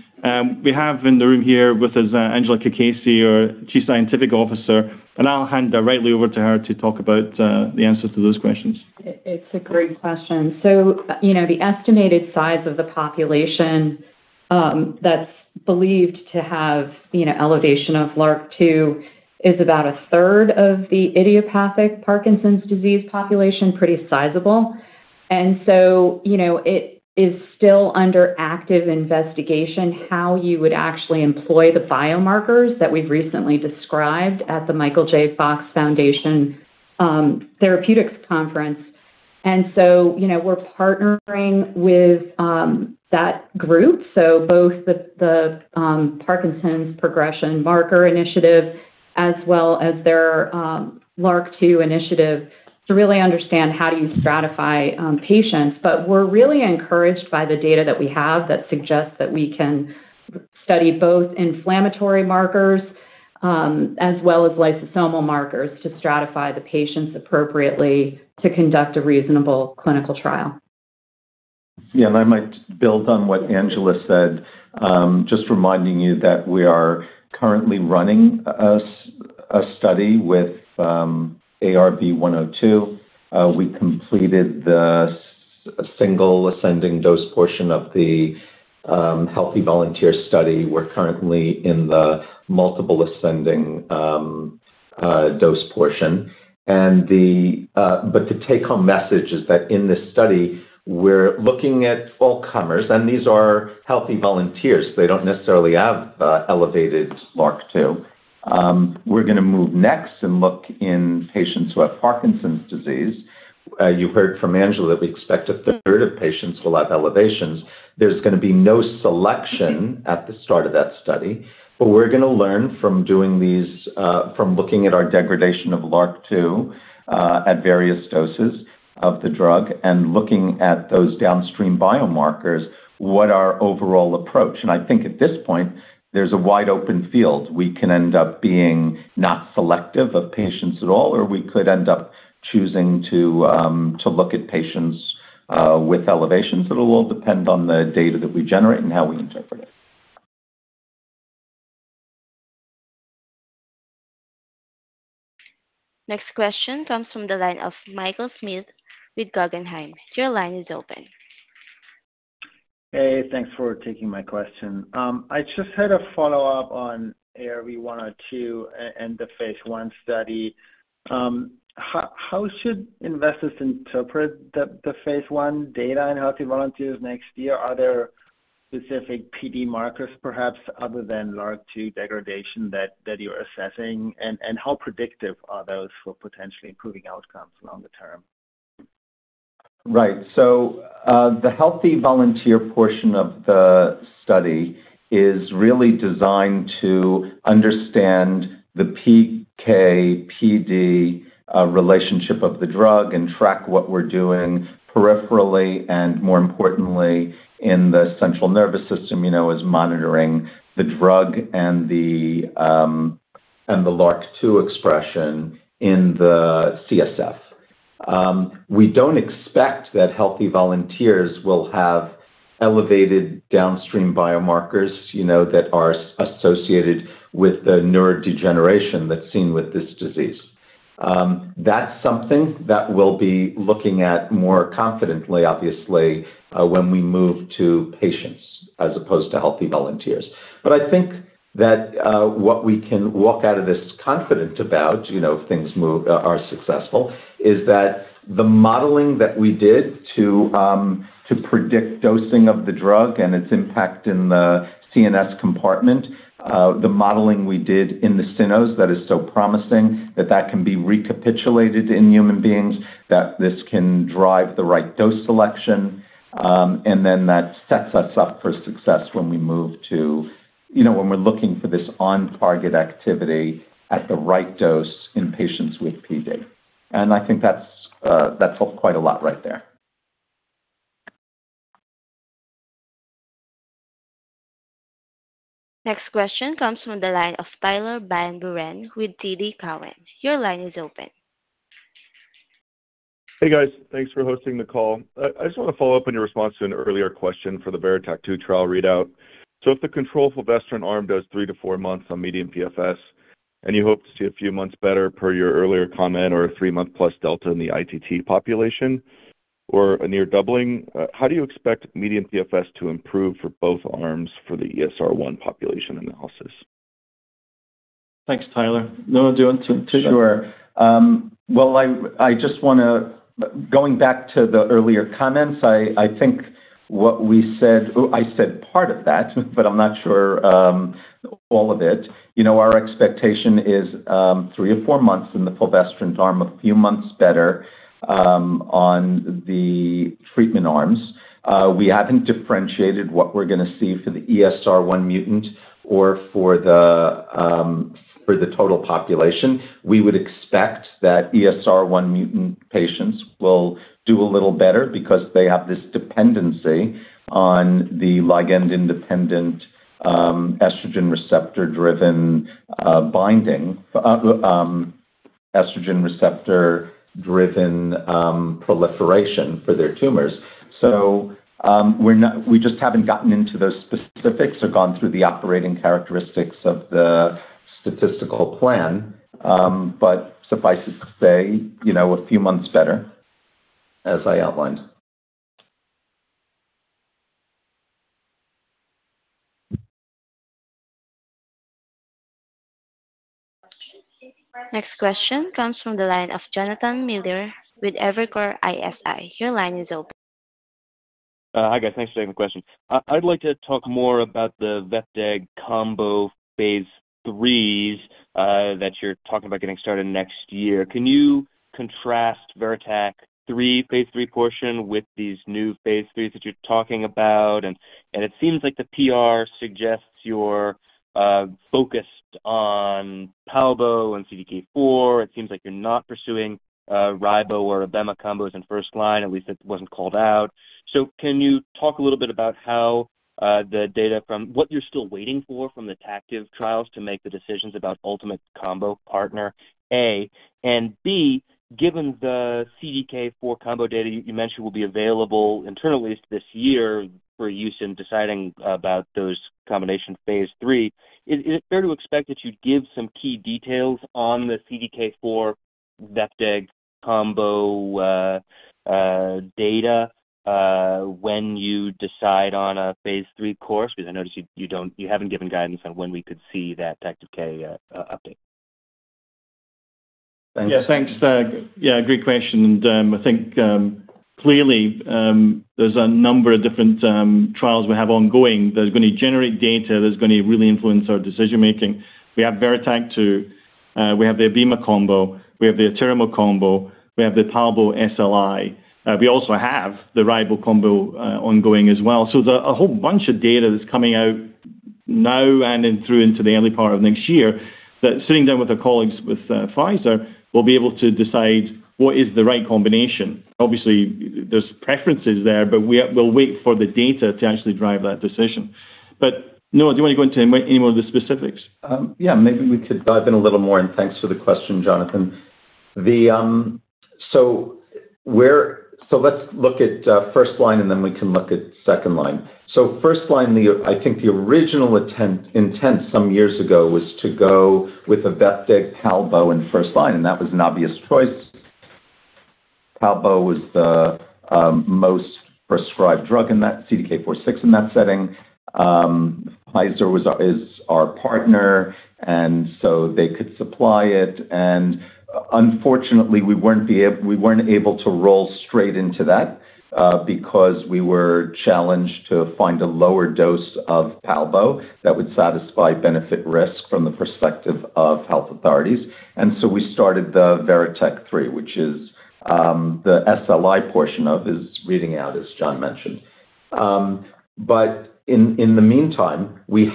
We have in the room here with us Angela Cacace, our Chief Scientific Officer. And I'll hand directly over to her to talk about the answers to those questions. It's a great question, so the estimated size of the population that's believed to have elevation of LRRK2 is about a third of the idiopathic Parkinson's disease population, pretty sizable, and so it is still under active investigation how you would actually employ the biomarkers that we've recently described at The Michael J. Fox Foundation Therapeutics Conference, and so we're partnering with that group, so both the Parkinson's Progression Marker Initiative as well as their LRRK2 Initiative to really understand how do you stratify patients, but we're really encouraged by the data that we have that suggests that we can study both inflammatory markers as well as lysosomal markers to stratify the patients appropriately to conduct a reasonable clinical trial. Yeah. And I might build on what Angela said, just reminding you that we are currently running a study with ARV-102. We completed the single ascending dose portion of the healthy volunteer study. We're currently in the multiple ascending dose portion. But the take-home message is that in this study, we're looking at all comers, and these are healthy volunteers. They don't necessarily have elevated LRRK2. We're going to move next and look in patients who have Parkinson's disease. You heard from Angela that we expect a third of patients will have elevations. There's going to be no selection at the start of that study. But we're going to learn from doing these, from looking at our degradation of LRRK2 at various doses of the drug and looking at those downstream biomarkers, what our overall approach is. And I think at this point, there's a wide open field. We can end up being not selective of patients at all, or we could end up choosing to look at patients with elevations. It will depend on the data that we generate and how we interpret it. Next question comes from the line of Michael Schmidt with Guggenheim. Your line is open. Hey, thanks for taking my question. I just had a follow-up on ARV-102 and the phase I study. How should investors interpret the phase I data in healthy volunteers next year? Are there specific PD markers, perhaps, other than LRRK2 degradation that you're assessing? And how predictive are those for potentially improving outcomes longer term? Right, so the healthy volunteer portion of the study is really designed to understand the PK/PD relationship of the drug and track what we're doing peripherally and, more importantly, in the central nervous system, is monitoring the drug and the LRRK2 expression in the CSF. We don't expect that healthy volunteers will have elevated downstream biomarkers that are associated with the neurodegeneration that's seen with this disease. That's something that we'll be looking at more confidently, obviously, when we move to patients as opposed to healthy volunteers. But I think that what we can walk out of this confident about, if things are successful, is that the modeling that we did to predict dosing of the drug and its impact in the CNS compartment, the modeling we did in the cynos, is so promising that that can be recapitulated in human beings, that this can drive the right dose selection, and then that sets us up for success when we move to, when we're looking for this on-target activity at the right dose in patients with PD. And I think that's helped quite a lot right there. Next question comes from the line of Tyler Van Buren with TD Cowen. Your line is open. Hey, guys. Thanks for hosting the call. I just want to follow up on your response to an earlier question for the VERITAC-2 trial readout. So if the control for Verzenio arm does three to four months on median PFS, and you hope to see a few months better per your earlier comment or a three-month plus delta in the ITT population or a near doubling, how do you expect median PFS to improve for both arms for the ESR1 population analysis? Thanks, Tyler. Noah, do you want to take that? Sure. Well, I just want to go back to the earlier comments. I think what we said. I said part of that, but I'm not sure all of it. Our expectation is three or four months in the fulvestrant arm, a few months better on the treatment arms. We haven't differentiated what we're going to see for the ESR1 mutant or for the total population. We would expect that ESR1 mutant patients will do a little better because they have this dependency on the ligand-independent estrogen receptor-driven binding, estrogen receptor-driven proliferation for their tumors. So we just haven't gotten into those specifics or gone through the operating characteristics of the statistical plan. But suffice it to say, a few months better, as I outlined. Next question comes from the line of Jonathan Miller with Evercore ISI. Your line is open. Hi, guys. Thanks for taking the question. I'd like to talk more about the vepdeg combo phase IIIs that you're talking about getting started next year. Can you contrast VERITAC-3 phase III portion with these new phase IIIs that you're talking about? And it seems like the PR suggests you're focused on palbociclib and CDK4. It seems like you're not pursuing ribociclib or abemaciclib combo as in first line. At least it wasn't called out. So can you talk a little bit about how the data from what you're still waiting for from the TACTIVE trials to make the decisions about ultimate combo partner, A, and, B, given the CDK4 combo data you mentioned will be available internally this year for use in deciding about those combination phase III, is it fair to expect that you'd give some key details on the CDK4 vepdeg combo data when you decide on a phase three course? Because I noticed you haven't given guidance on when we could see that TACTIVE-K update. Yeah. Thanks. Yeah. Great question. And I think clearly there's a number of different trials we have ongoing that are going to generate data that's going to really influence our decision-making. We have VERITAC-2. We have the abemaciclib combo. We have the atirmociclib combo. We have the palbociclib SLI. We also have the ribociclib combo ongoing as well. There's a whole bunch of data that's coming out now and through into the early part of next year that, sitting down with our colleagues with Pfizer, we'll be able to decide what is the right combination. Obviously, there's preferences there, but we'll wait for the data to actually drive that decision. But Noah, do you want to go into any more of the specifics? Yeah. Maybe we could dive in a little more. And thanks for the question, Jonathan. So let's look at first line, and then we can look at second line. So first line, I think the original intent some years ago was to go with a vepdeg, palbociclib, and first line. And that was an obvious choice. Palbociclib was the most prescribed drug in that CDK4/6 in that setting. Pfizer is our partner, and so they could supply it. And unfortunately, we weren't able to roll straight into that because we were challenged to find a lower dose of palbociclib that would satisfy benefit-risk from the perspective of health authorities. And so we started the VERITAC-3, which is the second-line portion is reading out, as John mentioned. But in the meantime, we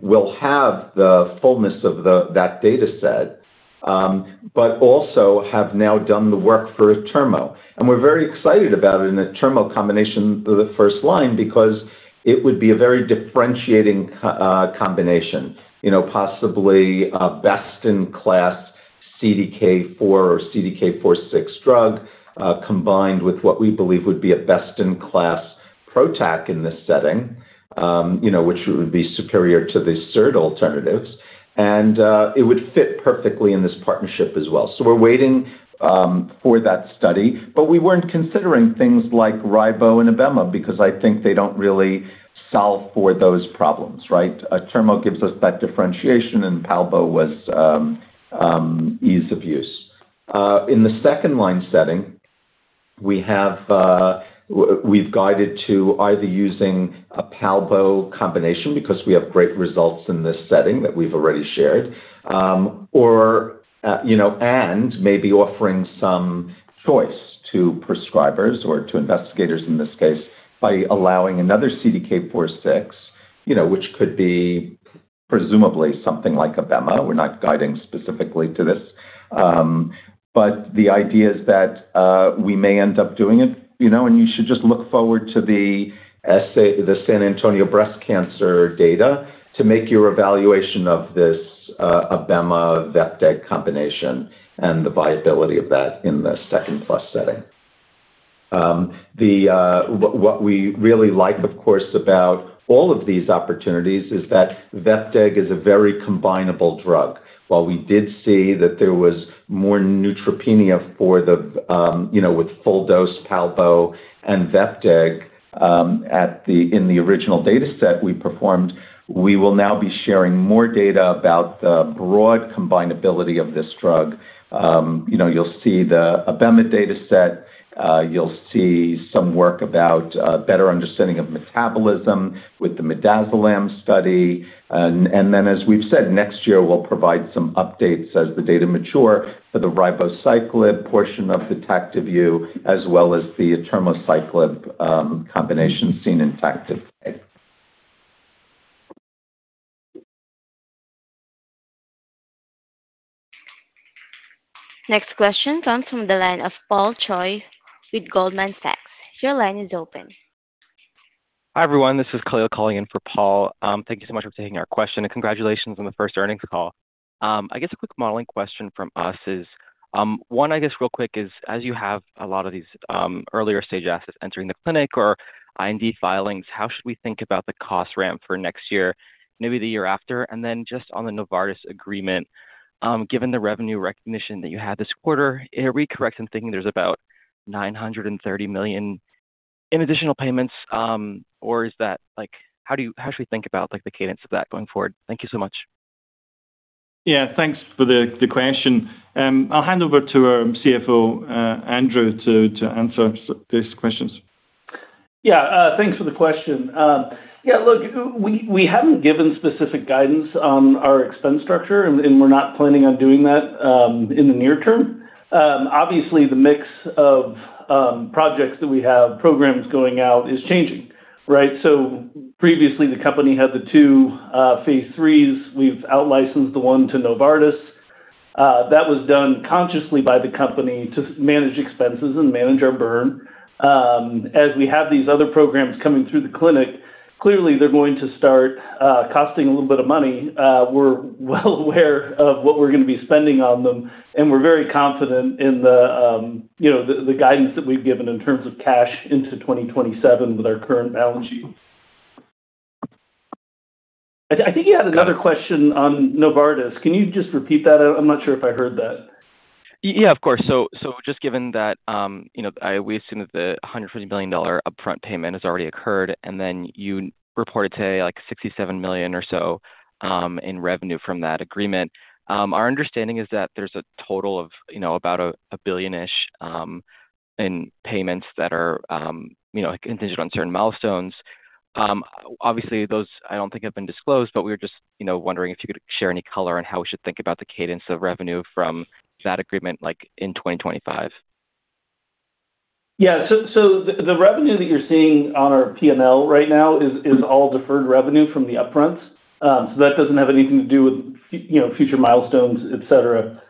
will have the fullness of that data set, but also have now done the work for a atirmociclib. And we're very excited about it in a atirmociclib combination for the first line because it would be a very differentiating combination, possibly a best-in-class CDK4 or CDK4/6 drug combined with what we believe would be a best-in-class PROTAC in this setting, which would be superior to the SERD alternatives. And it would fit perfectly in this partnership as well. So we're waiting for that study. But we weren't considering things like ribociclib and abemaciclib because I think they don't really solve for those problems, right? Atirmociclib gives us that differentiation, and palbociclib was ease of use. In the second-line setting, we've guided to either using a palbociclib combination because we have great results in this setting that we've already shared, and maybe offering some choice to prescribers or to investigators in this case by allowing another CDK4/6, which could be presumably something like abemaciclib. We're not guiding specifically to this. The idea is that we may end up doing it. You should just look forward to the San Antonio breast cancer data to make your evaluation of this abemaciclib vepdeg combination and the viability of that in the second-line plus setting. What we really like, of course, about all of these opportunities is that vepdeg is a very combinable drug. While we did see that there was more neutropenia with full-dose palbociclib and vepdeg in the original data set we performed, we will now be sharing more data about the broad combinability of this drug. You'll see the abemaciclib data set. You'll see some work about better understanding of metabolism with the midazolam study. And then, as we've said, next year, we'll provide some updates as the data mature for the ribociclib portion of the TACTIVE-U as well as the atirmociclib combination seen in TACTIVE-K. Next question comes from the line of Paul Choi with Goldman Sachs. Your line is open. Hi, everyone. This is Khalil calling in for Paul. Thank you so much for taking our question, and congratulations on the first earnings call. I guess a quick modeling question from us is one, I guess real quick, is as you have a lot of these earlier stage assets entering the clinic or IND filings, how should we think about the cost ramp for next year, maybe the year after? And then just on the Novartis agreement, given the revenue recognition that you had this quarter, I suspect I'm thinking there's about $930 million in additional payments, or is that how should we think about the cadence of that going forward? Thank you so much. Yeah. Thanks for the question. I'll hand over to our CFO, Andrew, to answer these questions. Yeah. Thanks for the question. Yeah. Look, we haven't given specific guidance on our expense structure, and we're not planning on doing that in the near term. Obviously, the mix of projects that we have, programs going out, is changing, right? So previously, the company had the two phase IIIs. We've outlicensed the one to Novartis. That was done consciously by the company to manage expenses and manage our burn. As we have these other programs coming through the clinic, clearly, they're going to start costing a little bit of money. We're well aware of what we're going to be spending on them, and we're very confident in the guidance that we've given in terms of cash into 2027 with our current balance sheet. I think you had another question on Novartis. Can you just repeat that? I'm not sure if I heard that. Yeah, of course. So just given that we assume that the $150 million upfront payment has already occurred, and then you reported today like $67 million or so in revenue from that agreement, our understanding is that there's a total of about a billion-ish in payments that are contingent on certain milestones. Obviously, those I don't think have been disclosed, but we were just wondering if you could share any color on how we should think about the cadence of revenue from that agreement in 2025? Yeah. So the revenue that you're seeing on our P&L right now is all deferred revenue from the upfront. So that doesn't have anything to do with future milestones, etc.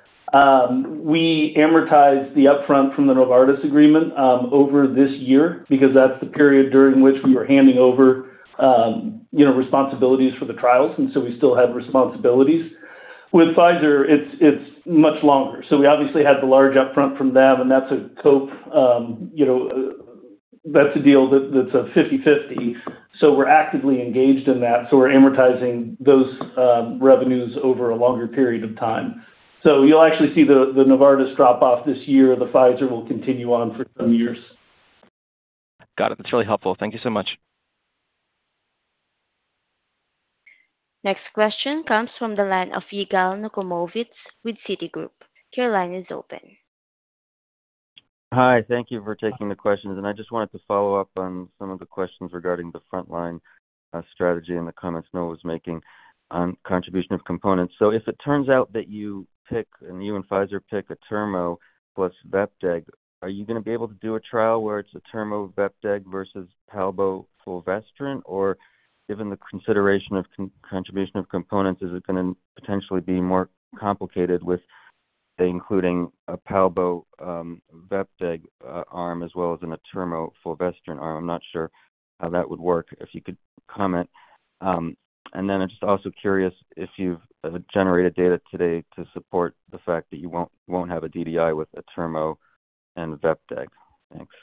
We amortized the upfront from the Novartis agreement over this year because that's the period during which we were handing over responsibilities for the trials. And so we still had responsibilities. With Pfizer, it's much longer. So we obviously had the large upfront from them, and that's a co-op. That's a deal that's a 50/50. So we're actively engaged in that. So we're amortizing those revenues over a longer period of time. So you'll actually see the Novartis drop off this year. The Pfizer will continue on for some years. Got it. That's really helpful. Thank you so much. Next question comes from the line of Yigal Nochomovitz with Citigroup. Your line is open. Hi. Thank you for taking the questions. And I just wanted to follow up on some of the questions regarding the frontline strategy and the comments Noah was making on contribution of components. So if it turns out that you pick and you and Pfizer pick an atirmociclib plus vepdeg, are you going to be able to do a trial where it's an atirmociclib vepdeg versus palbociclib fulvestrant? Or given the consideration of contribution of components, is it going to potentially be more complicated with including a palbociclib vepdeg arm as well as an atirmociclib fulvestrant arm? I'm not sure how that would work if you could comment. And then I'm just also curious if you've generated data to date to support the fact that you won't have a DDI with an atirmociclib and vepdeg. Thanks.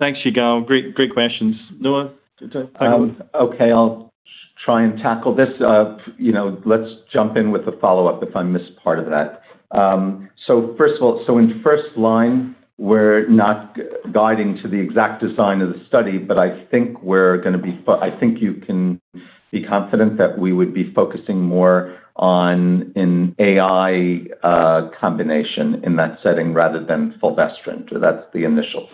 Thanks, Yigal. Great questions. Noah? Okay. I'll try and tackle this. Let's jump in with a follow-up if I missed part of that. So first of all, so in first line, we're not guiding to the exact design of the study, but I think we're going to be I think you can be confident that we would be focusing more on an AI combination in that setting rather than fulvestrant. So that's the initial.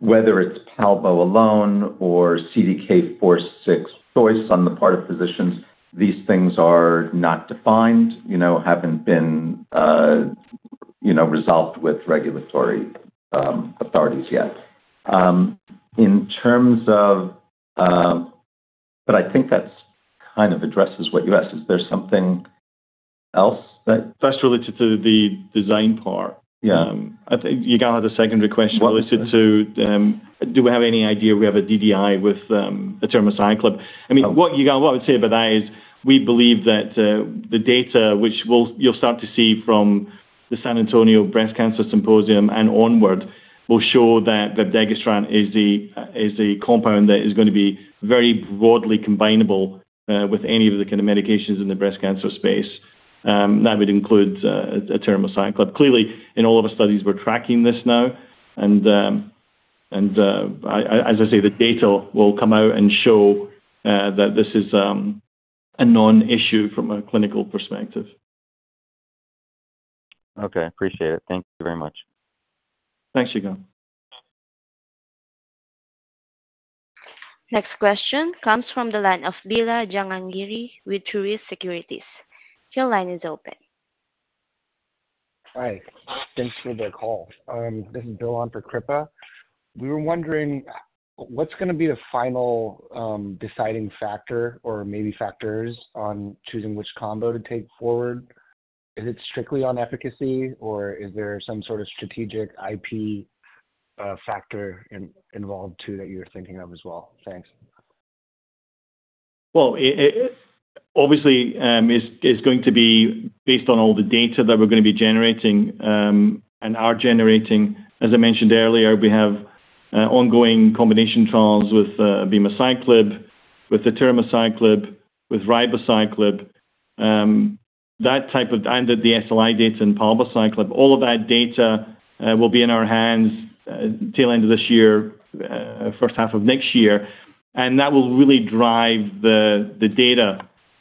Whether it's palbociclib alone or CDK4/6 choice on the part of physicians, these things are not defined, haven't been resolved with regulatory authorities yet. In terms of but I think that kind of addresses what you asked. Is there something else that. First, related to the design part. Yigal has a secondary question related to do we have any idea we have a DDI with atirmociclib? I mean, what Yigal would say about that is we believe that the data, which you'll start to see from the San Antonio Breast Cancer Symposium and onward, will show that vepdegestrant is the compound that is going to be very broadly combinable with any of the kind of medications in the breast cancer space. That would include atirmociclib. Clearly, in all of our studies, we're tracking this now, and as I say, the data will come out and show that this is a non-issue from a clinical perspective. Okay. Appreciate it. Thank you very much. Thanks, Yigal. Next question comes from the line of Billal Jahangiri with Truist Securities. Your line is open. Hi. Thanks for the call. This is Bill on for Kripa. We were wondering what's going to be the final deciding factor or maybe factors on choosing which combo to take forward? Is it strictly on efficacy, or is there some sort of strategic IP factor involved too that you're thinking of as well? Thanks. Obviously, it's going to be based on all the data that we're going to be generating and are generating. As I mentioned earlier, we have ongoing combination trials with abemaciclib, with the atirmociclib, with ribociclib, that type of, and the SLI data on palbociclib. All of that data will be in our hands till end of this year, first half of next year, and that will really drive the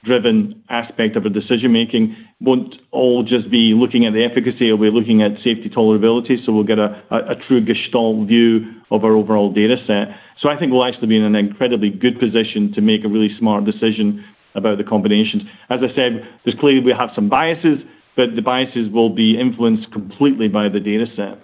data-driven aspect of our decision-making. It won't all just be looking at the efficacy. We'll be looking at safety, tolerability, so we'll get a true Gestalt view of our overall data set, so I think we'll actually be in an incredibly good position to make a really smart decision about the combinations. As I said, we clearly have some biases, but the biases will be influenced completely by the data set.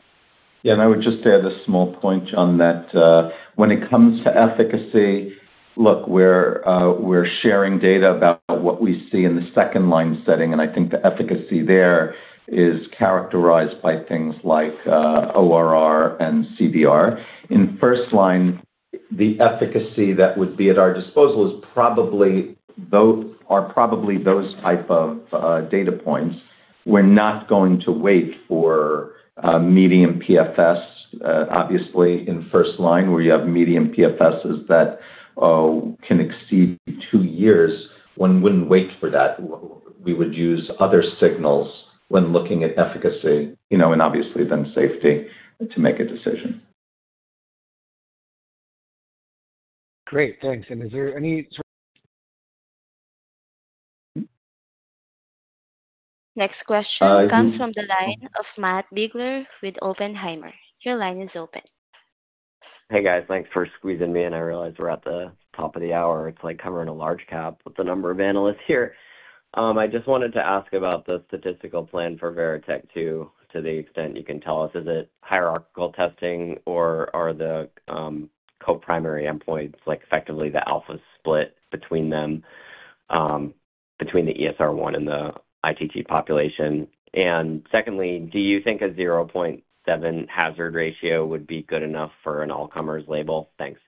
Yeah. And I would just add a small point on that. When it comes to efficacy, look, we're sharing data about what we see in the second line setting. And I think the efficacy there is characterized by things like ORR and CBR. In first line, the efficacy that would be at our disposal is probably those type of data points. We're not going to wait for median PFS. Obviously, in first line, where you have median PFSs that can exceed two years, one wouldn't wait for that. We would use other signals when looking at efficacy and obviously then safety to make a decision. Great. Thanks. And is there any sort of? Next question comes from the line of Matt Biegler with Oppenheimer. Your line is open. Hey, guys. Thanks for squeezing me in. I realize we're at the top of the hour. It's like covering a large cap with the number of analysts here. I just wanted to ask about the statistical plan for VERITAC-2, to the extent you can tell us. Is it hierarchical testing, or are the co-primary endpoints effectively the alpha split between the ESR1 and the ITT population? And secondly, do you think a 0.7 hazard ratio would be good enough for an all-comers label? Thanks.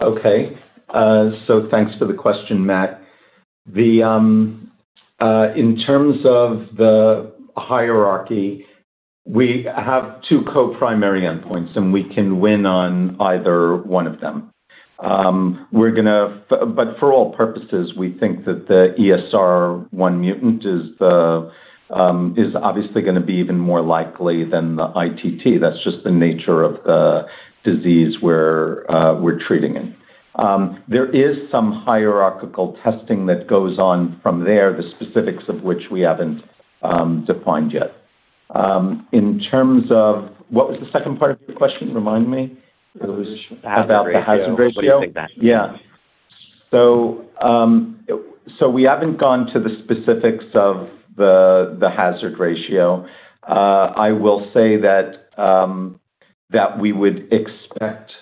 Okay. So thanks for the question, Matt. In terms of the hierarchy, we have two co-primary endpoints, and we can win on either one of them. But for all purposes, we think that the ESR1 mutant is obviously going to be even more likely than the ITT. That's just the nature of the disease we're treating in. There is some hierarchical testing that goes on from there, the specifics of which we haven't defined yet. In terms of what was the second part of your question? Remind me. It was about the hazard ratio. Yeah. So we haven't gone to the specifics of the hazard ratio. I will say that we would expect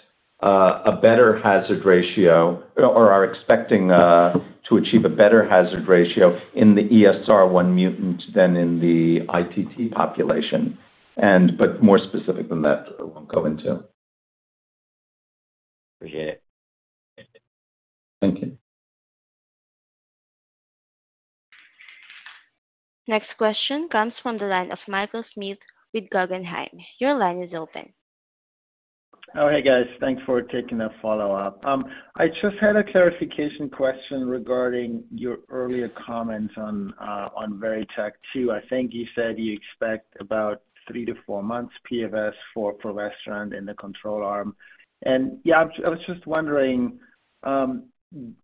a better hazard ratio or are expecting to achieve a better hazard ratio in the ESR1 mutant than in the ITT population. But more specific than that, I won't go into. Appreciate it. Thank you. Next question comes from the line of Michael Schmidt with Guggenheim. Your line is open. Oh, hey, guys. Thanks for taking the follow-up. I just had a clarification question regarding your earlier comments on VERITAC-2. I think you said you expect about three-to-four months PFS for fulvestrant in the control arm. And yeah, I was just wondering,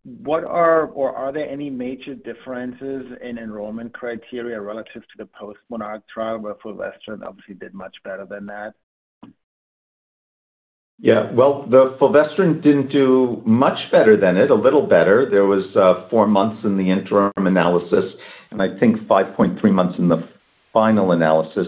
what are or are there any major differences in enrollment criteria relative to the postMONARCH trial where fulvestrant obviously did much better than that? Yeah. Well, the fulvestrant didn't do much better than it, a little better. There was four months in the interim analysis, and I think 5.3 months in the final analysis.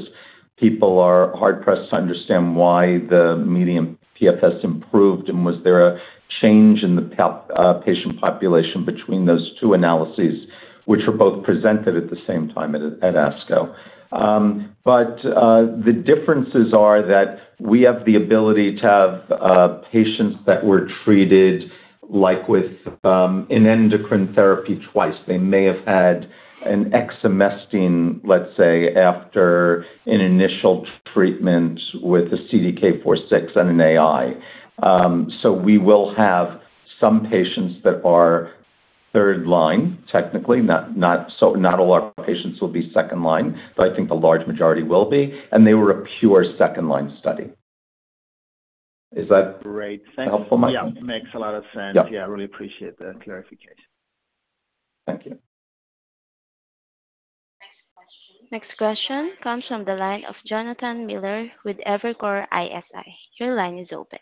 People are hard-pressed to understand why the median PFS improved, and was there a change in the patient population between those two analyses, which were both presented at the same time at ASCO. But the differences are that we have the ability to have patients that were treated like with an endocrine therapy twice. They may have had an exemestane, let's say, after an initial treatment with a CDK4/6 and an AI. So we will have some patients that are third line, technically. Not all our patients will be second line, but I think the large majority will be. And they were a pure second-line study. Is that helpful? Great. Thank you. Yeah. It makes a lot of sense. Yeah. I really appreciate the clarification. Thank you. Next question. Comes from the line of Jonathan Miller with Evercore ISI. Your line is open.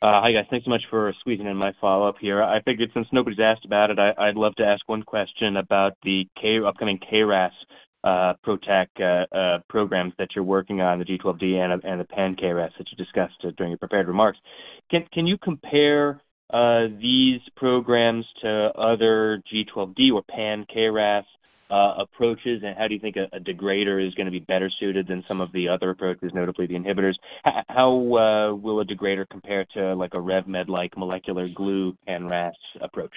Hi, guys. Thanks so much for squeezing in my follow-up here. I figured since nobody's asked about it, I'd love to ask one question about the upcoming KRAS PROTAC programs that you're working on, the G12D and the pan-KRAS that you discussed during your prepared remarks. Can you compare these programs to other G12D or Pan-KRAS approaches, and how do you think a degrader is going to be better suited than some of the other approaches, notably the inhibitors? How will a degrader compare to a RevMed-like molecular glue pan-RAS approach?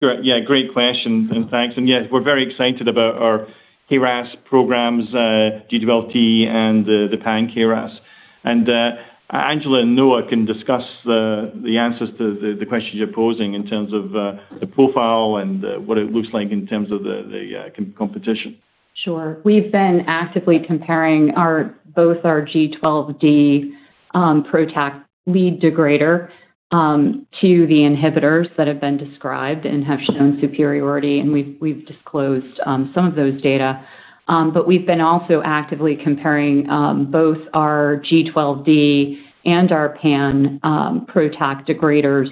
Yeah. Great question. And thanks. And yeah, we're very excited about our KRAS programs, G12D, and the pan-KRAS. And Angela and Noah can discuss the answers to the questions you're posing in terms of the profile and what it looks like in terms of the competition. Sure. We've been actively comparing both our G12D PROTAC lead degrader to the inhibitors that have been described and have shown superiority, and we've disclosed some of those data. But we've been also actively comparing both our G12D and our pan-PROTAC degraders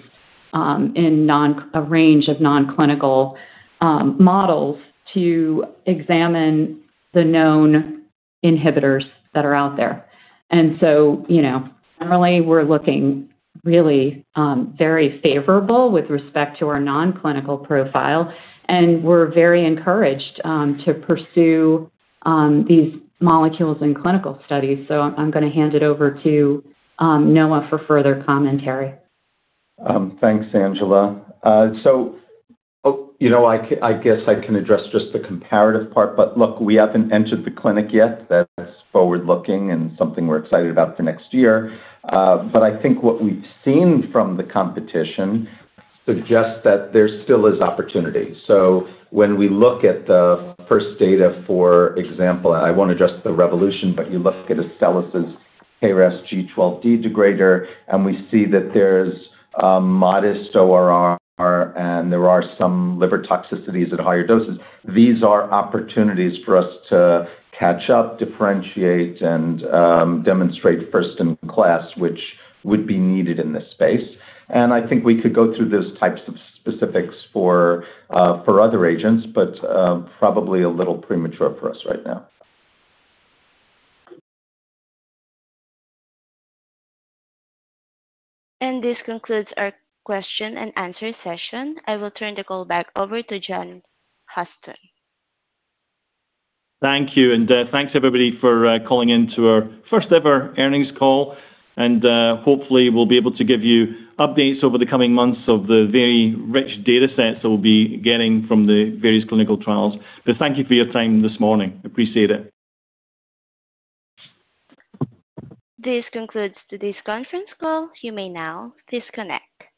in a range of non-clinical models to examine the known inhibitors that are out there, and so generally, we're looking really very favorable with respect to our non-clinical profile, and we're very encouraged to pursue these molecules in clinical studies. So I'm going to hand it over to Noah for further commentary. Thanks, Angela. So I guess I can address just the comparative part. But look, we haven't entered the clinic yet. That's forward-looking and something we're excited about for next year. But I think what we've seen from the competition suggests that there still is opportunity. So when we look at the first data, for example, I won't address the Revolution, but you look at Astellas's KRAS G12D degrader, and we see that there's modest ORR, and there are some liver toxicities at higher doses. These are opportunities for us to catch up, differentiate, and demonstrate first-in-class, which would be needed in this space. And I think we could go through those types of specifics for other agents, but probably a little premature for us right now. This concludes our question-and-answer session. I will turn the call back over to John Houston. Thank you. And thanks, everybody, for calling into our first-ever earnings call. And hopefully, we'll be able to give you updates over the coming months of the very rich data sets that we'll be getting from the various clinical trials. But thank you for your time this morning. Appreciate it. This concludes today's conference call. You may now disconnect.